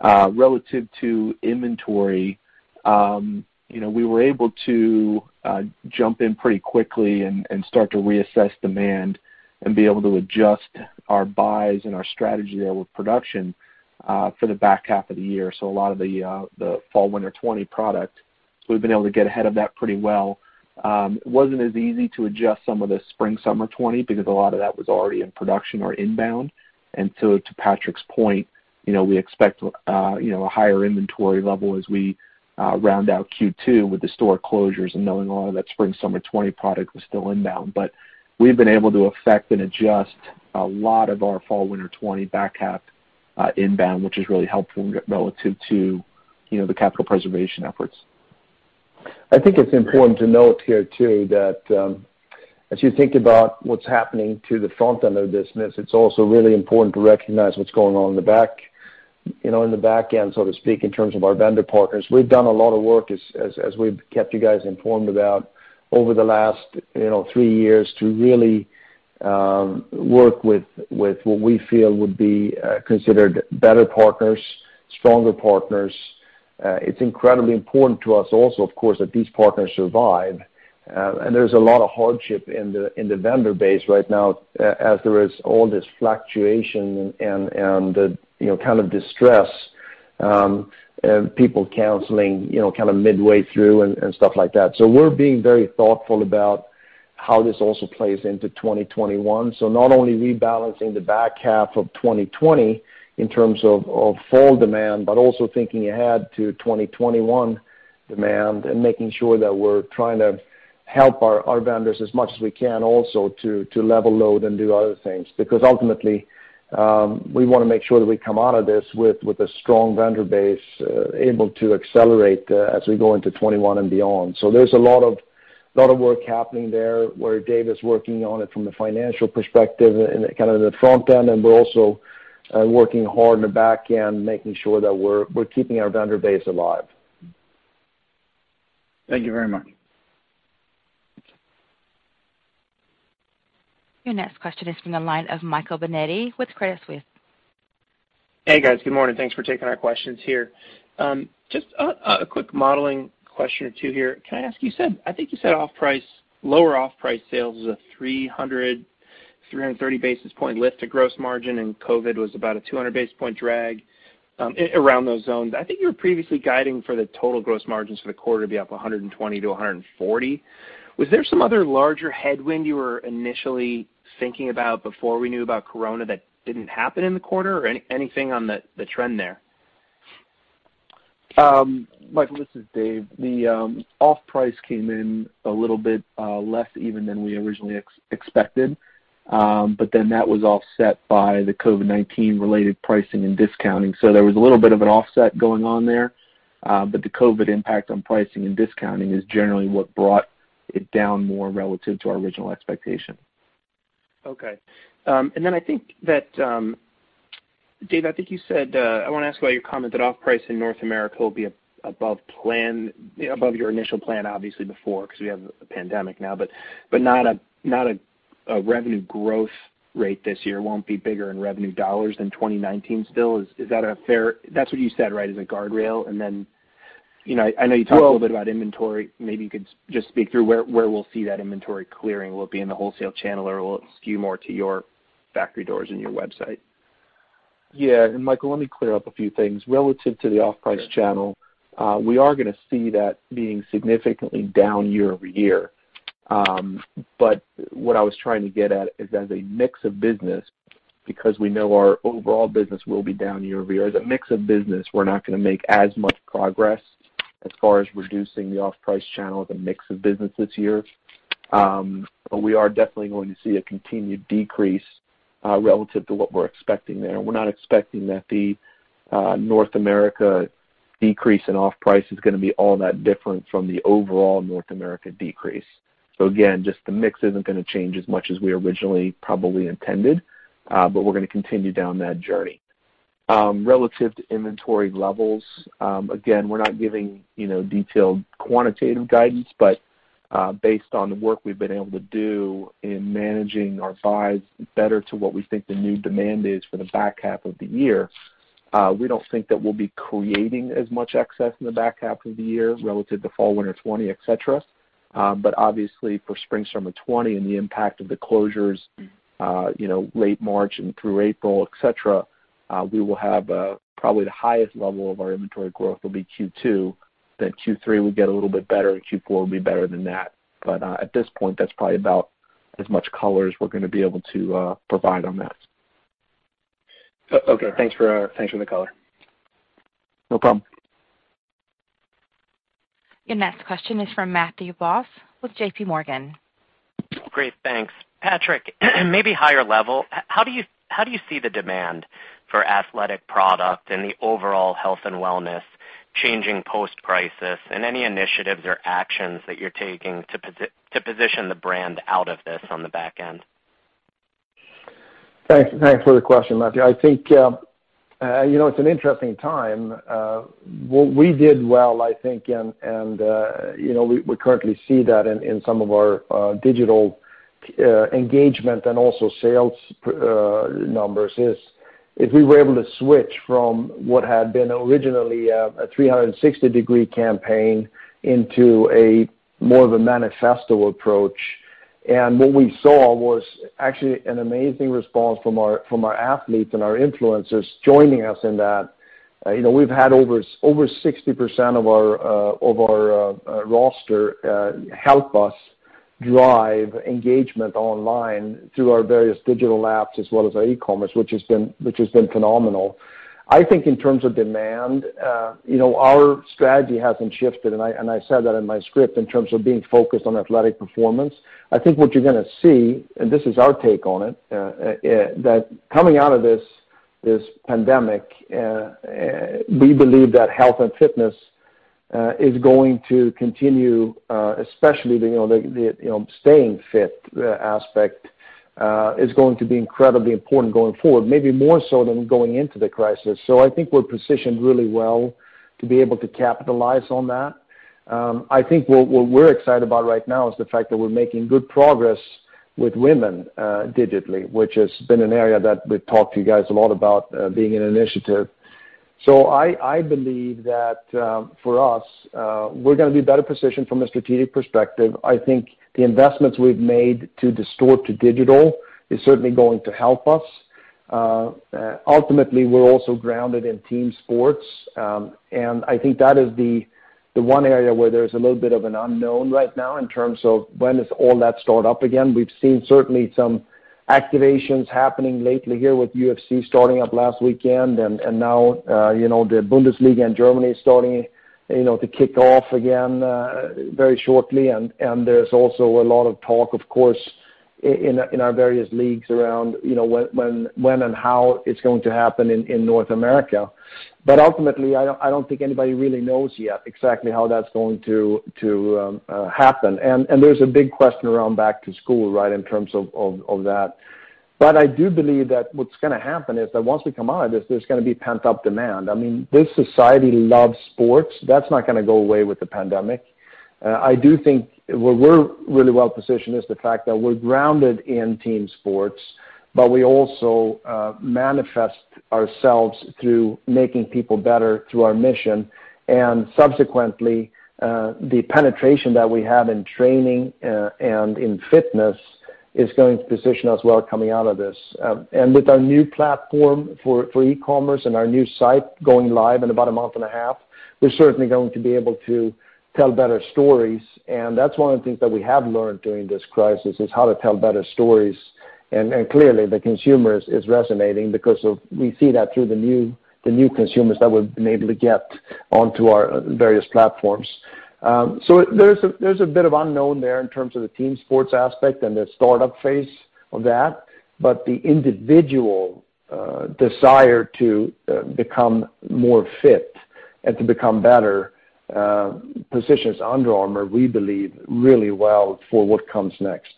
Relative to inventory, we were able to jump in pretty quickly and start to reassess demand and be able to adjust our buys and our strategy there with production for the back half of the year, so a lot of the fall/winter 2020 product. We've been able to get ahead of that pretty well. It wasn't as easy to adjust some of the spring/summer 2020 because a lot of that was already in production or inbound. To Patrik's point, we expect a higher inventory level as we round out Q2 with the store closures and knowing a lot of that spring/summer 2020 product was still inbound. We've been able to affect and adjust a lot of our fall/winter 2020 back half inbound, which is really helpful relative to the capital preservation efforts. I think it's important to note here too that as you think about what's happening to the front end of the business, it's also really important to recognize what's going on in the back end, so to speak, in terms of our vendor partners. We've done a lot of work, as we've kept you guys informed about over the last three years to really work with what we feel would be considered better partners, stronger partners. It's incredibly important to us also, of course, that these partners survive. There's a lot of hardship in the vendor base right now as there is all this fluctuation and the kind of distress, and people canceling midway through and stuff like that. We're being very thoughtful about how this also plays into 2021. Not only rebalancing the back half of 2020 in terms of fall demand, but also thinking ahead to 2021 demand and making sure that we're trying to help our vendors as much as we can also to level load and do other things. Ultimately, we want to make sure that we come out of this with a strong vendor base able to accelerate as we go into 2021 and beyond. There's a lot of work happening there, where Dave is working on it from a financial perspective in the front end, and we're also working hard on the back end, making sure that we're keeping our vendor base alive. Thank you very much. Your next question is from the line of Michael Binetti with Credit Suisse. Hey, guys. Good morning. Thanks for taking our questions here. Just a quick modeling question or two here. Can I ask you, I think you said lower off-price sales is a 300, 330 basis point lift to gross margin, and COVID was about a 200 basis point drag around those zones. I think you were previously guiding for the total gross margins for the quarter to be up 120-140. Was there some other larger headwind you were initially thinking about before we knew about Corona that didn't happen in the quarter or anything on the trend there? Michael, this is Dave. The off-price came in a little bit less even than we originally expected. That was offset by the COVID-19 related pricing and discounting. There was a little bit of an offset going on there. The COVID impact on pricing and discounting is generally what brought it down more relative to our original expectation. Okay. Dave, I want to ask about your comment that off-price in North America will be above your initial plan, obviously before, because we have a pandemic now, but not a revenue growth rate this year won't be bigger in revenue dollars than 2019 still. That's what you said, right? As a guardrail. I know you talked a little bit about inventory. Maybe you could just speak through where we'll see that inventory clearing. Will it be in the wholesale channel or it will skew more to your factory doors and your website? Yeah. Michael, let me clear up a few things. Relative to the off-price channel, we are going to see that being significantly down year-over-year. What I was trying to get at is as a mix of business, because we know our overall business will be down year-over-year. As a mix of business, we're not going to make as much progress as far as reducing the off-price channel as a mix of business this year. We are definitely going to see a continued decrease, relative to what we're expecting there. We're not expecting that the North America decrease in off-price is going to be all that different from the overall North America decrease. Again, just the mix isn't going to change as much as we originally probably intended. We're going to continue down that journey. Relative to inventory levels, again, we're not giving detailed quantitative guidance. Based on the work we've been able to do in managing our buys better to what we think the new demand is for the back half of the year, we don't think that we'll be creating as much excess in the back half of the year relative to fall/winter 2020, et cetera. Obviously for spring/summer 2020 and the impact of the closures late March and through April, et cetera, we will have probably the highest level of our inventory growth will be Q2. Q3 will get a little bit better, and Q4 will be better than that. At this point, that's probably about as much color as we're going to be able to provide on that. Okay. Thanks for the color. No problem. Your next question is from Matthew Boss with J.P. Morgan. Great, thanks. Patrik, maybe higher level, how do you see the demand for athletic product and the overall health and wellness changing post-crisis, and any initiatives or actions that you're taking to position the brand out of this on the back end? Thanks for the question, Matthew. I think it's an interesting time. What we did well, I think, and we currently see that in some of our digital engagement and also sales numbers is if we were able to switch from what had been originally a 360-degree campaign into a more of a manifesto approach. What we saw was actually an amazing response from our athletes and our influencers joining us in that. We've had over 60% of our roster help us drive engagement online through our various digital apps as well as our e-commerce, which has been phenomenal. I think in terms of demand, our strategy hasn't shifted, and I said that in my script, in terms of being focused on athletic performance. I think what you're going to see, this is our take on it, that coming out of this pandemic, we believe that health and fitness is going to continue, especially the staying fit aspect, is going to be incredibly important going forward, maybe more so than going into the crisis. I think we're positioned really well to be able to capitalize on that. I think what we're excited about right now is the fact that we're making good progress with women digitally, which has been an area that we've talked to you guys a lot about being an initiative. I believe that for us, we're going to be better positioned from a strategic perspective. I think the investments we've made to distort to digital is certainly going to help us. Ultimately, we're also grounded in team sports. I think that is the one area where there's a little bit of an unknown right now in terms of when does all that start up again. We've seen certainly some activations happening lately here with UFC starting up last weekend, and now, the Bundesliga in Germany is starting to kick off again very shortly. There's also a lot of talk, of course, in our various leagues around when and how it's going to happen in North America. Ultimately, I don't think anybody really knows yet exactly how that's going to happen. There's a big question around back to school, right, in terms of that. I do believe that what's gonna happen is that once we come out of this, there's gonna be pent-up demand. This society loves sports. That's not gonna go away with the pandemic. I do think where we're really well-positioned is the fact that we're grounded in team sports, but we also manifest ourselves through making people better through our mission, and subsequently, the penetration that we have in training and in fitness is going to position us well coming out of this. With our new platform for e-commerce and our new site going live in about a month and a half, we're certainly going to be able to tell better stories, and that's one of the things that we have learned during this crisis, is how to tell better stories. Clearly, the consumer is resonating because we see that through the new consumers that we've been able to get onto our various platforms. There's a bit of unknown there in terms of the team sports aspect and the startup phase of that. The individual desire to become more fit and to become better positions Under Armour, we believe, really well for what comes next.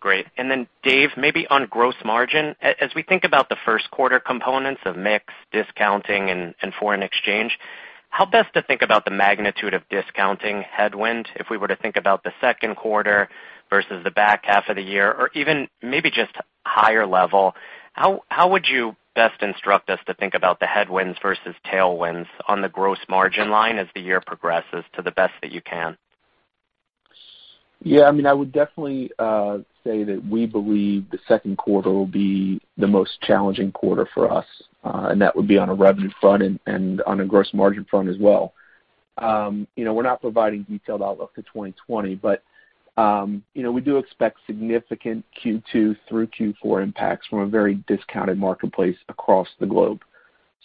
Great. Then Dave, maybe on gross margin. As we think about the first quarter components of mix, discounting, and foreign exchange, how best to think about the magnitude of discounting headwind if we were to think about the second quarter versus the back half of the year or even maybe just higher level. How would you best instruct us to think about the headwinds versus tailwinds on the gross margin line as the year progresses to the best that you can? Yeah. I would definitely say that we believe the second quarter will be the most challenging quarter for us, and that would be on a revenue front and on a gross margin front as well. We're not providing detailed outlook to 2020, we do expect significant Q2 through Q4 impacts from a very discounted marketplace across the globe.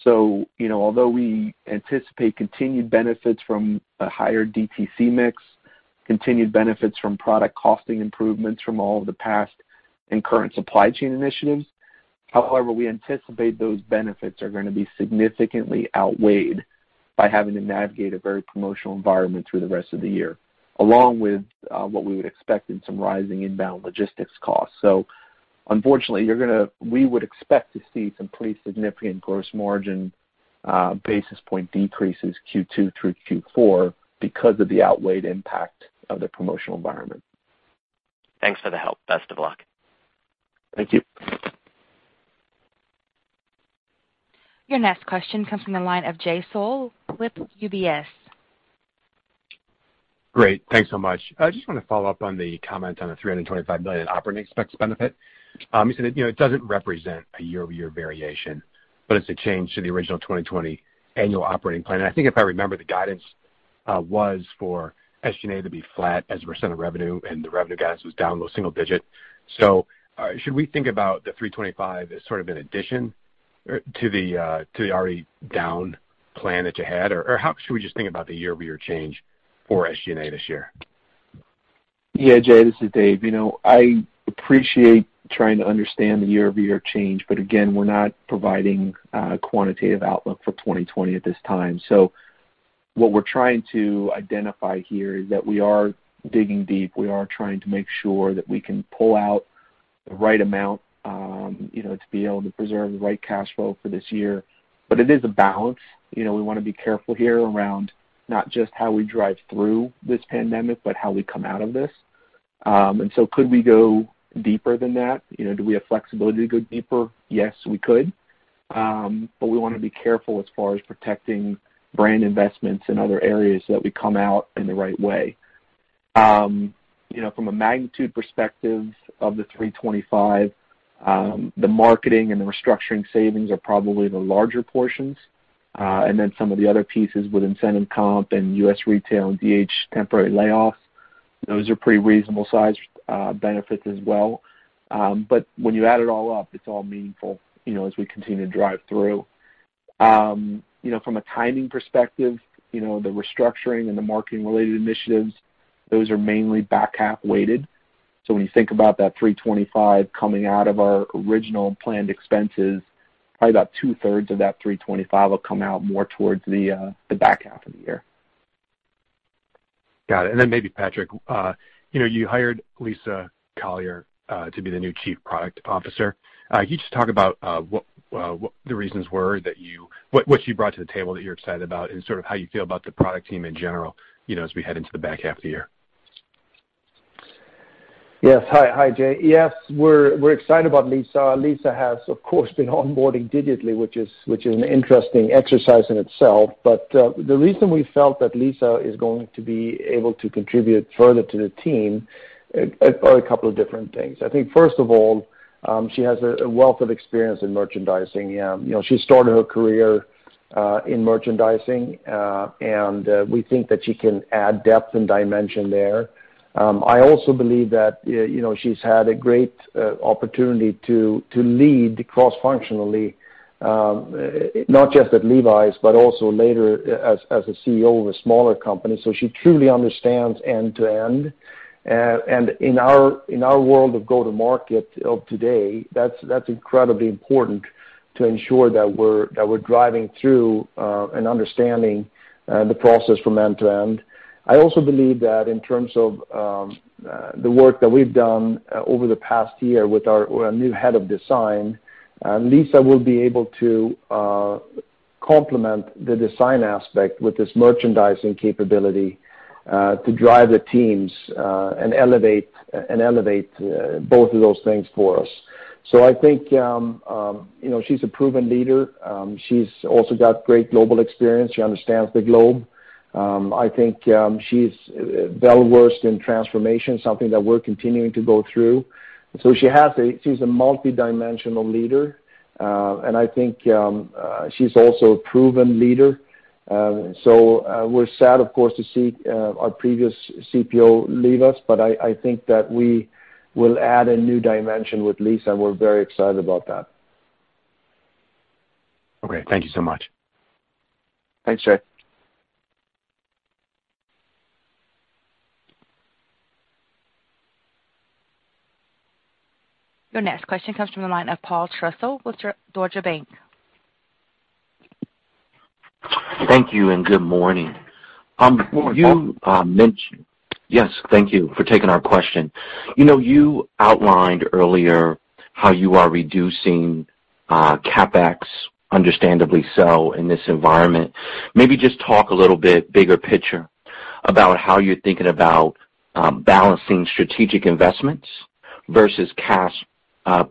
Although we anticipate continued benefits from a higher DTC mix, continued benefits from product costing improvements from all of the past and current supply chain initiatives, however, we anticipate those benefits are gonna be significantly outweighed by having to navigate a very promotional environment through the rest of the year, along with what we would expect in some rising inbound logistics costs. Unfortunately, we would expect to see some pretty significant gross margin basis point decreases Q2 through Q4 because of the outweighed impact of the promotional environment. Thanks for the help. Best of luck. Thank you. Your next question comes from the line of Jay Sole with UBS. Great. Thanks so much. I just want to follow up on the comment on the $325 million operating expense benefit. You said it doesn't represent a year-over-year variation, but it's a change to the original 2020 annual operating plan. I think if I remember, the guidance was for SG&A to be flat as a % of revenue, and the revenue guidance was down low single digit. Should we think about the $325 as sort of an addition to the already down plan that you had? How should we just think about the year-over-year change for SG&A this year? Yeah, Jay, this is Dave. I appreciate trying to understand the year-over-year change. Again, we're not providing quantitative outlook for 2020 at this time. What we're trying to identify here is that we are digging deep. We are trying to make sure that we can pull out the right amount to be able to preserve the right cash flow for this year. It is a balance. We want to be careful here around not just how we drive through this pandemic, but how we come out of this. Could we go deeper than that? Do we have flexibility to go deeper? Yes, we could. We want to be careful as far as protecting brand investments in other areas that we come out in the right way. From a magnitude perspective of the $325, the marketing and the restructuring savings are probably the larger portions. Some of the other pieces with incentive comp and U.S. retail and DC temporary layoffs, those are pretty reasonable-sized benefits as well. When you add it all up, it's all meaningful as we continue to drive through. From a timing perspective, the restructuring and the marketing-related initiatives, those are mainly back half weighted. When you think about that $325 coming out of our original planned expenses, probably about two-thirds of that $325 will come out more towards the back half of the year. Got it. Maybe, Patrik, you hired Lisa Collier to be the new Chief Product Officer. Can you just talk about what the reasons were that she brought to the table that you're excited about and sort of how you feel about the product team in general as we head into the back half of the year? Yes. Hi, Jay. We're excited about Lisa. Lisa has, of course, been onboarding digitally, which is an interesting exercise in itself. The reason we felt that Lisa is going to be able to contribute further to the team are a couple of different things. I think, first of all, she has a wealth of experience in merchandising. She started her career. In merchandising, we think that she can add depth and dimension there. I also believe that she's had a great opportunity to lead cross-functionally, not just at Levi's, but also later as a CEO of a smaller company. She truly understands end-to-end. In our world of go-to-market of today, that's incredibly important to ensure that we're driving through and understanding the process from end-to-end. I also believe that in terms of the work that we've done over the past year with our new head of design, Lisa will be able to complement the design aspect with this merchandising capability to drive the teams and elevate both of those things for us. I think she's a proven leader. She's also got great global experience. She understands the globe. I think she's well-versed in transformation, something that we're continuing to go through. She's a multidimensional leader. I think she's also a proven leader. We're sad, of course, to see our previous CPO leave us, but I think that we will add a new dimension with Lisa, and we're very excited about that. Okay. Thank you so much. Thanks, Jay. Your next question comes from the line of Paul Trussell with Deutsche Bank. Thank you, and good morning. Good morning, Paul. Yes. Thank you for taking our question. You outlined earlier how you are reducing CapEx, understandably so in this environment. Maybe just talk a little bit bigger picture about how you're thinking about balancing strategic investments versus cash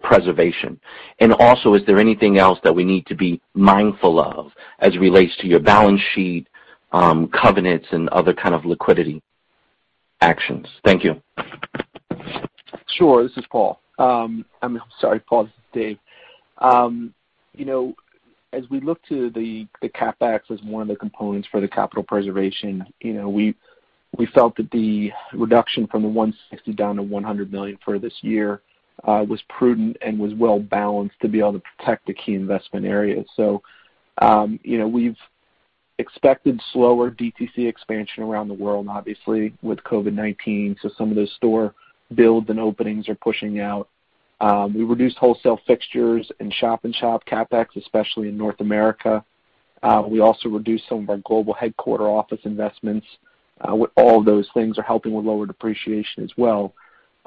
preservation. Is there anything else that we need to be mindful of as it relates to your balance sheet, covenants, and other kind of liquidity actions? Thank you. Sure. This is Paul. I'm sorry, Paul. This is Dave. As we look to the CapEx as one of the components for the capital preservation, we felt that the reduction from the $160 million down to $100 million for this year was prudent and was well-balanced to be able to protect the key investment areas. We've expected slower DTC expansion around the world, obviously with COVID-19. Some of those store builds and openings are pushing out. We reduced wholesale fixtures and shop in shop CapEx, especially in North America. We also reduced some of our global headquarter office investments. All those things are helping with lower depreciation as well.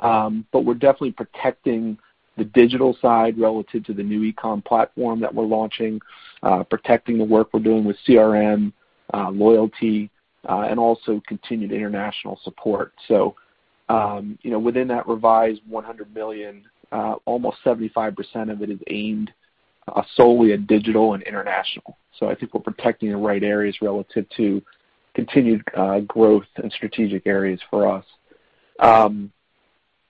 We're definitely protecting the digital side relative to the new e-com platform that we're launching, protecting the work we're doing with CRM, loyalty, and also continued international support. Within that revised $100 million, almost 75% of it is aimed solely at digital and international. I think we're protecting the right areas relative to continued growth and strategic areas for us.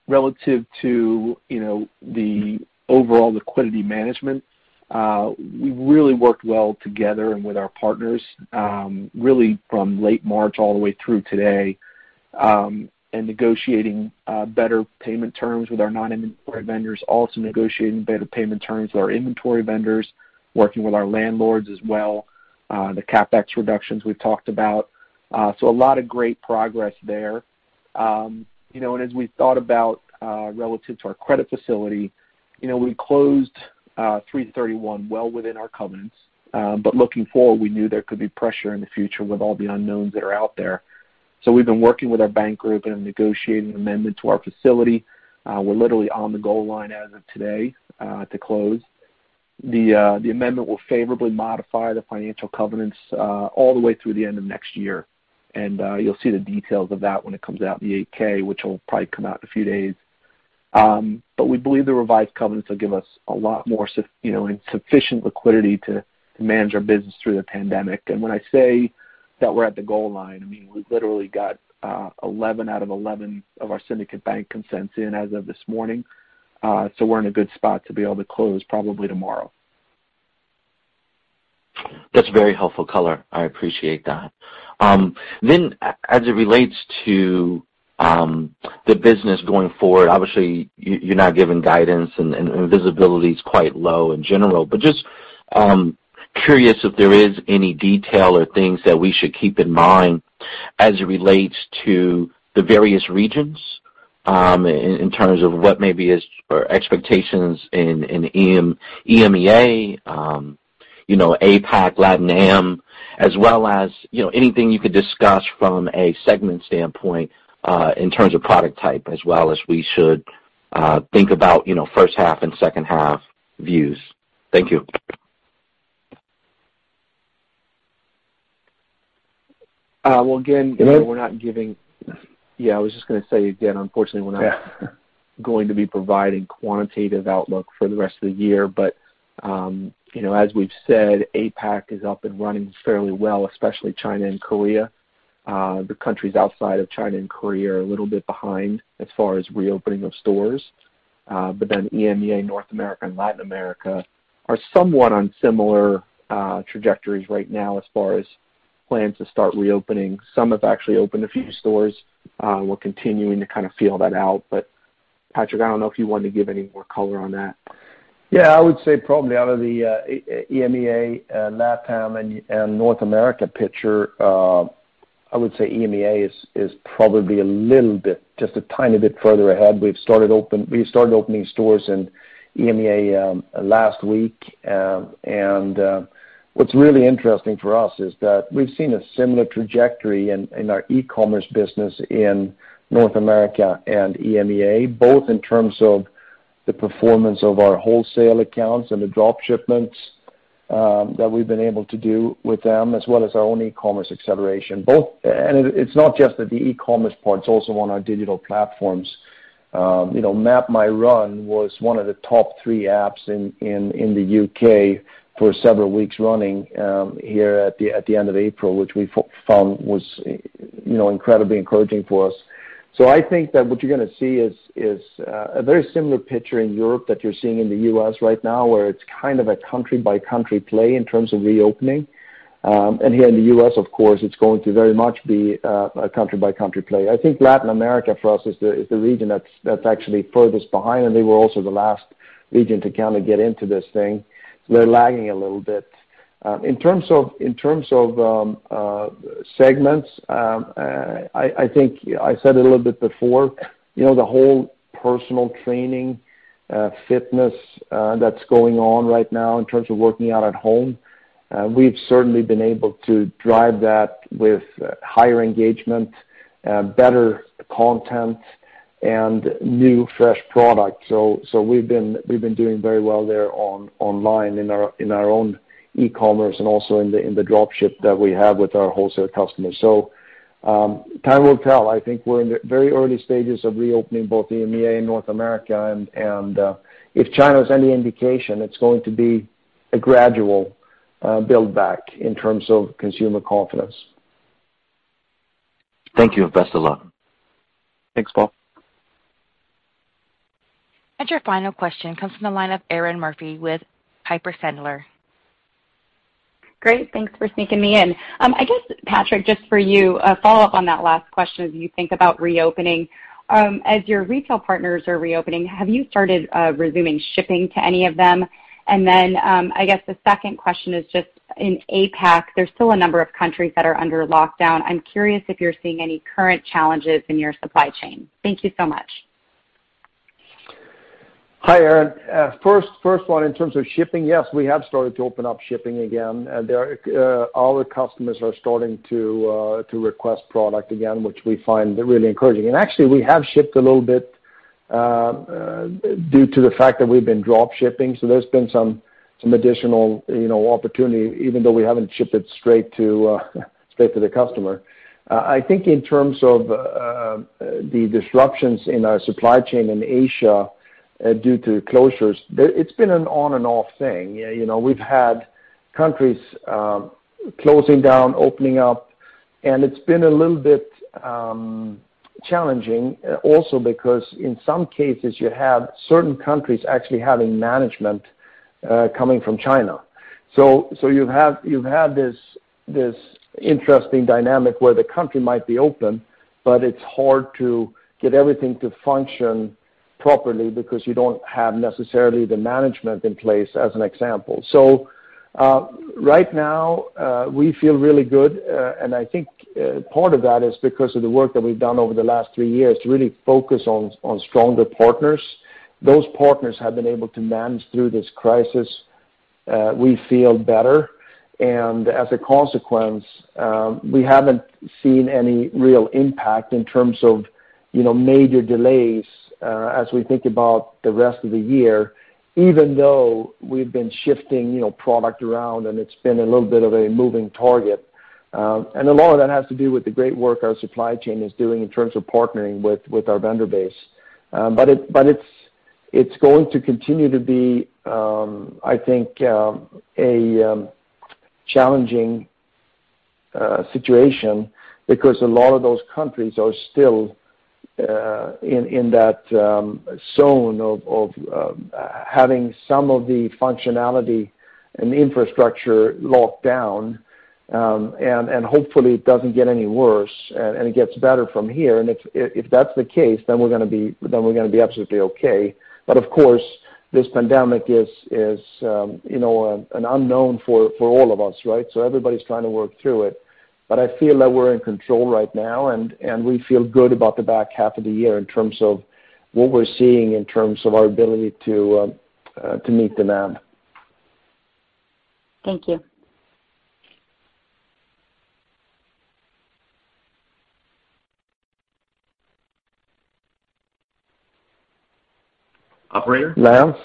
Relative to the overall liquidity management, we really worked well together and with our partners really from late March all the way through today in negotiating better payment terms with our non-inventory vendors, also negotiating better payment terms with our inventory vendors, working with our landlords as well, the CapEx reductions we've talked about. A lot of great progress there. As we thought about relative to our credit facility, we closed 331 well within our covenants. Looking forward, we knew there could be pressure in the future with all the unknowns that are out there. We've been working with our bank group and negotiating an amendment to our facility. We're literally on the goal line as of today to close. The amendment will favorably modify the financial covenants all the way through the end of next year. You'll see the details of that when it comes out in the 8-K, which will probably come out in a few days. We believe the revised covenants will give us a lot more sufficient liquidity to manage our business through the pandemic. When I say that we're at the goal line, I mean, we literally got 11 out of 11 of our syndicate bank consents in as of this morning. We're in a good spot to be able to close probably tomorrow. That's very helpful color. I appreciate that. As it relates to the business going forward, obviously, you're not giving guidance and visibility is quite low in general, but just curious if there is any detail or things that we should keep in mind as it relates to the various regions in terms of what maybe is your expectations in EMEA, APAC, LATAM, as well as anything you could discuss from a segment standpoint in terms of product type as well as we should think about first half and second half views. Thank you. Well, Hello? Yeah, I was just going to say again, unfortunately, we're not going to be providing quantitative outlook for the rest of the year. As we've said, APAC is up and running fairly well, especially China and Korea. The countries outside of China and Korea are a little bit behind as far as reopening of stores. EMEA, North America, and Latin America are somewhat on similar trajectories right now as far as plans to start reopening. Some have actually opened a few stores. We're continuing to feel that out. Patrik, I don't know if you wanted to give any more color on that. Yeah, I would say probably out of the EMEA, LATAM, and North America picture, I would say EMEA is probably just a tiny bit further ahead. We started opening stores in EMEA last week. What's really interesting for us is that we've seen a similar trajectory in our e-commerce business in North America and EMEA, both in terms of the performance of our wholesale accounts and the drop shipments that we've been able to do with them, as well as our own e-commerce acceleration. It's not just the e-commerce part. It's also on our digital platforms. MapMyRun was one of the top three apps in the U.K. for several weeks running here at the end of April, which we found was incredibly encouraging for us. I think that what you're going to see is a very similar picture in Europe that you're seeing in the U.S. right now, where it's kind of a country-by-country play in terms of reopening. Here in the U.S., of course, it's going to very much be a country-by-country play. I think Latin America, for us, is the region that's actually furthest behind, and they were also the last region to get into this thing. They're lagging a little bit. In terms of segments, I think I said a little bit before, the whole personal training, fitness that's going on right now in terms of working out at home, we've certainly been able to drive that with higher engagement, better content, and new, fresh product. We've been doing very well there online in our own e-commerce and also in the drop ship that we have with our wholesale customers. Time will tell. I think we're in the very early stages of reopening both EMEA and North America. If China is any indication, it's going to be a gradual build-back in terms of consumer confidence. Thank you. Best of luck. Thanks, Paul. Your final question comes from the line of Erinn Murphy with Piper Sandler. Great. Thanks for sneaking me in. I guess, Patrik, just for you, a follow-up on that last question as you think about reopening. As your retail partners are reopening, have you started resuming shipping to any of them? I guess the second question is just in APAC, there's still a number of countries that are under lockdown. I'm curious if you're seeing any current challenges in your supply chain. Thank you so much. Hi, Erinn. First one, in terms of shipping, yes, we have started to open up shipping again. Our customers are starting to request product again, which we find really encouraging. Actually, we have shipped a little bit due to the fact that we've been drop shipping. There's been some additional opportunity, even though we haven't shipped it straight to the customer. I think in terms of the disruptions in our supply chain in Asia due to closures, it's been an on-and-off thing. We've had countries closing down, opening up. It's been a little bit challenging also because, in some cases, you have certain countries actually having management coming from China. You've had this interesting dynamic where the country might be open, but it's hard to get everything to function properly because you don't have necessarily the management in place, as an example. Right now, we feel really good, and I think part of that is because of the work that we've done over the last three years to really focus on stronger partners. Those partners have been able to manage through this crisis. We feel better, and as a consequence, we haven't seen any real impact in terms of major delays as we think about the rest of the year, even though we've been shifting product around and it's been a little bit of a moving target. A lot of that has to do with the great work our supply chain is doing in terms of partnering with our vendor base. It's going to continue to be, I think, a challenging situation because a lot of those countries are still in that zone of having some of the functionality and the infrastructure locked down, and hopefully, it doesn't get any worse, and it gets better from here. If that's the case, then we're going to be absolutely okay. Of course, this pandemic is an unknown for all of us, right? Everybody's trying to work through it. I feel that we're in control right now, and we feel good about the back half of the year in terms of what we're seeing in terms of our ability to meet demand. Thank you. Operator? Lance?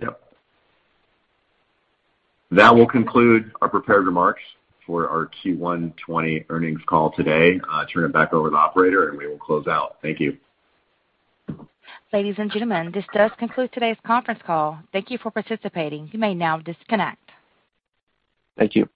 Yep. That will conclude our prepared remarks for our Q1 2020 earnings call today. I'll turn it back over to the operator, and we will close out. Thank you. Ladies and gentlemen, this does conclude today's conference call. Thank you for participating. You may now disconnect. Thank you.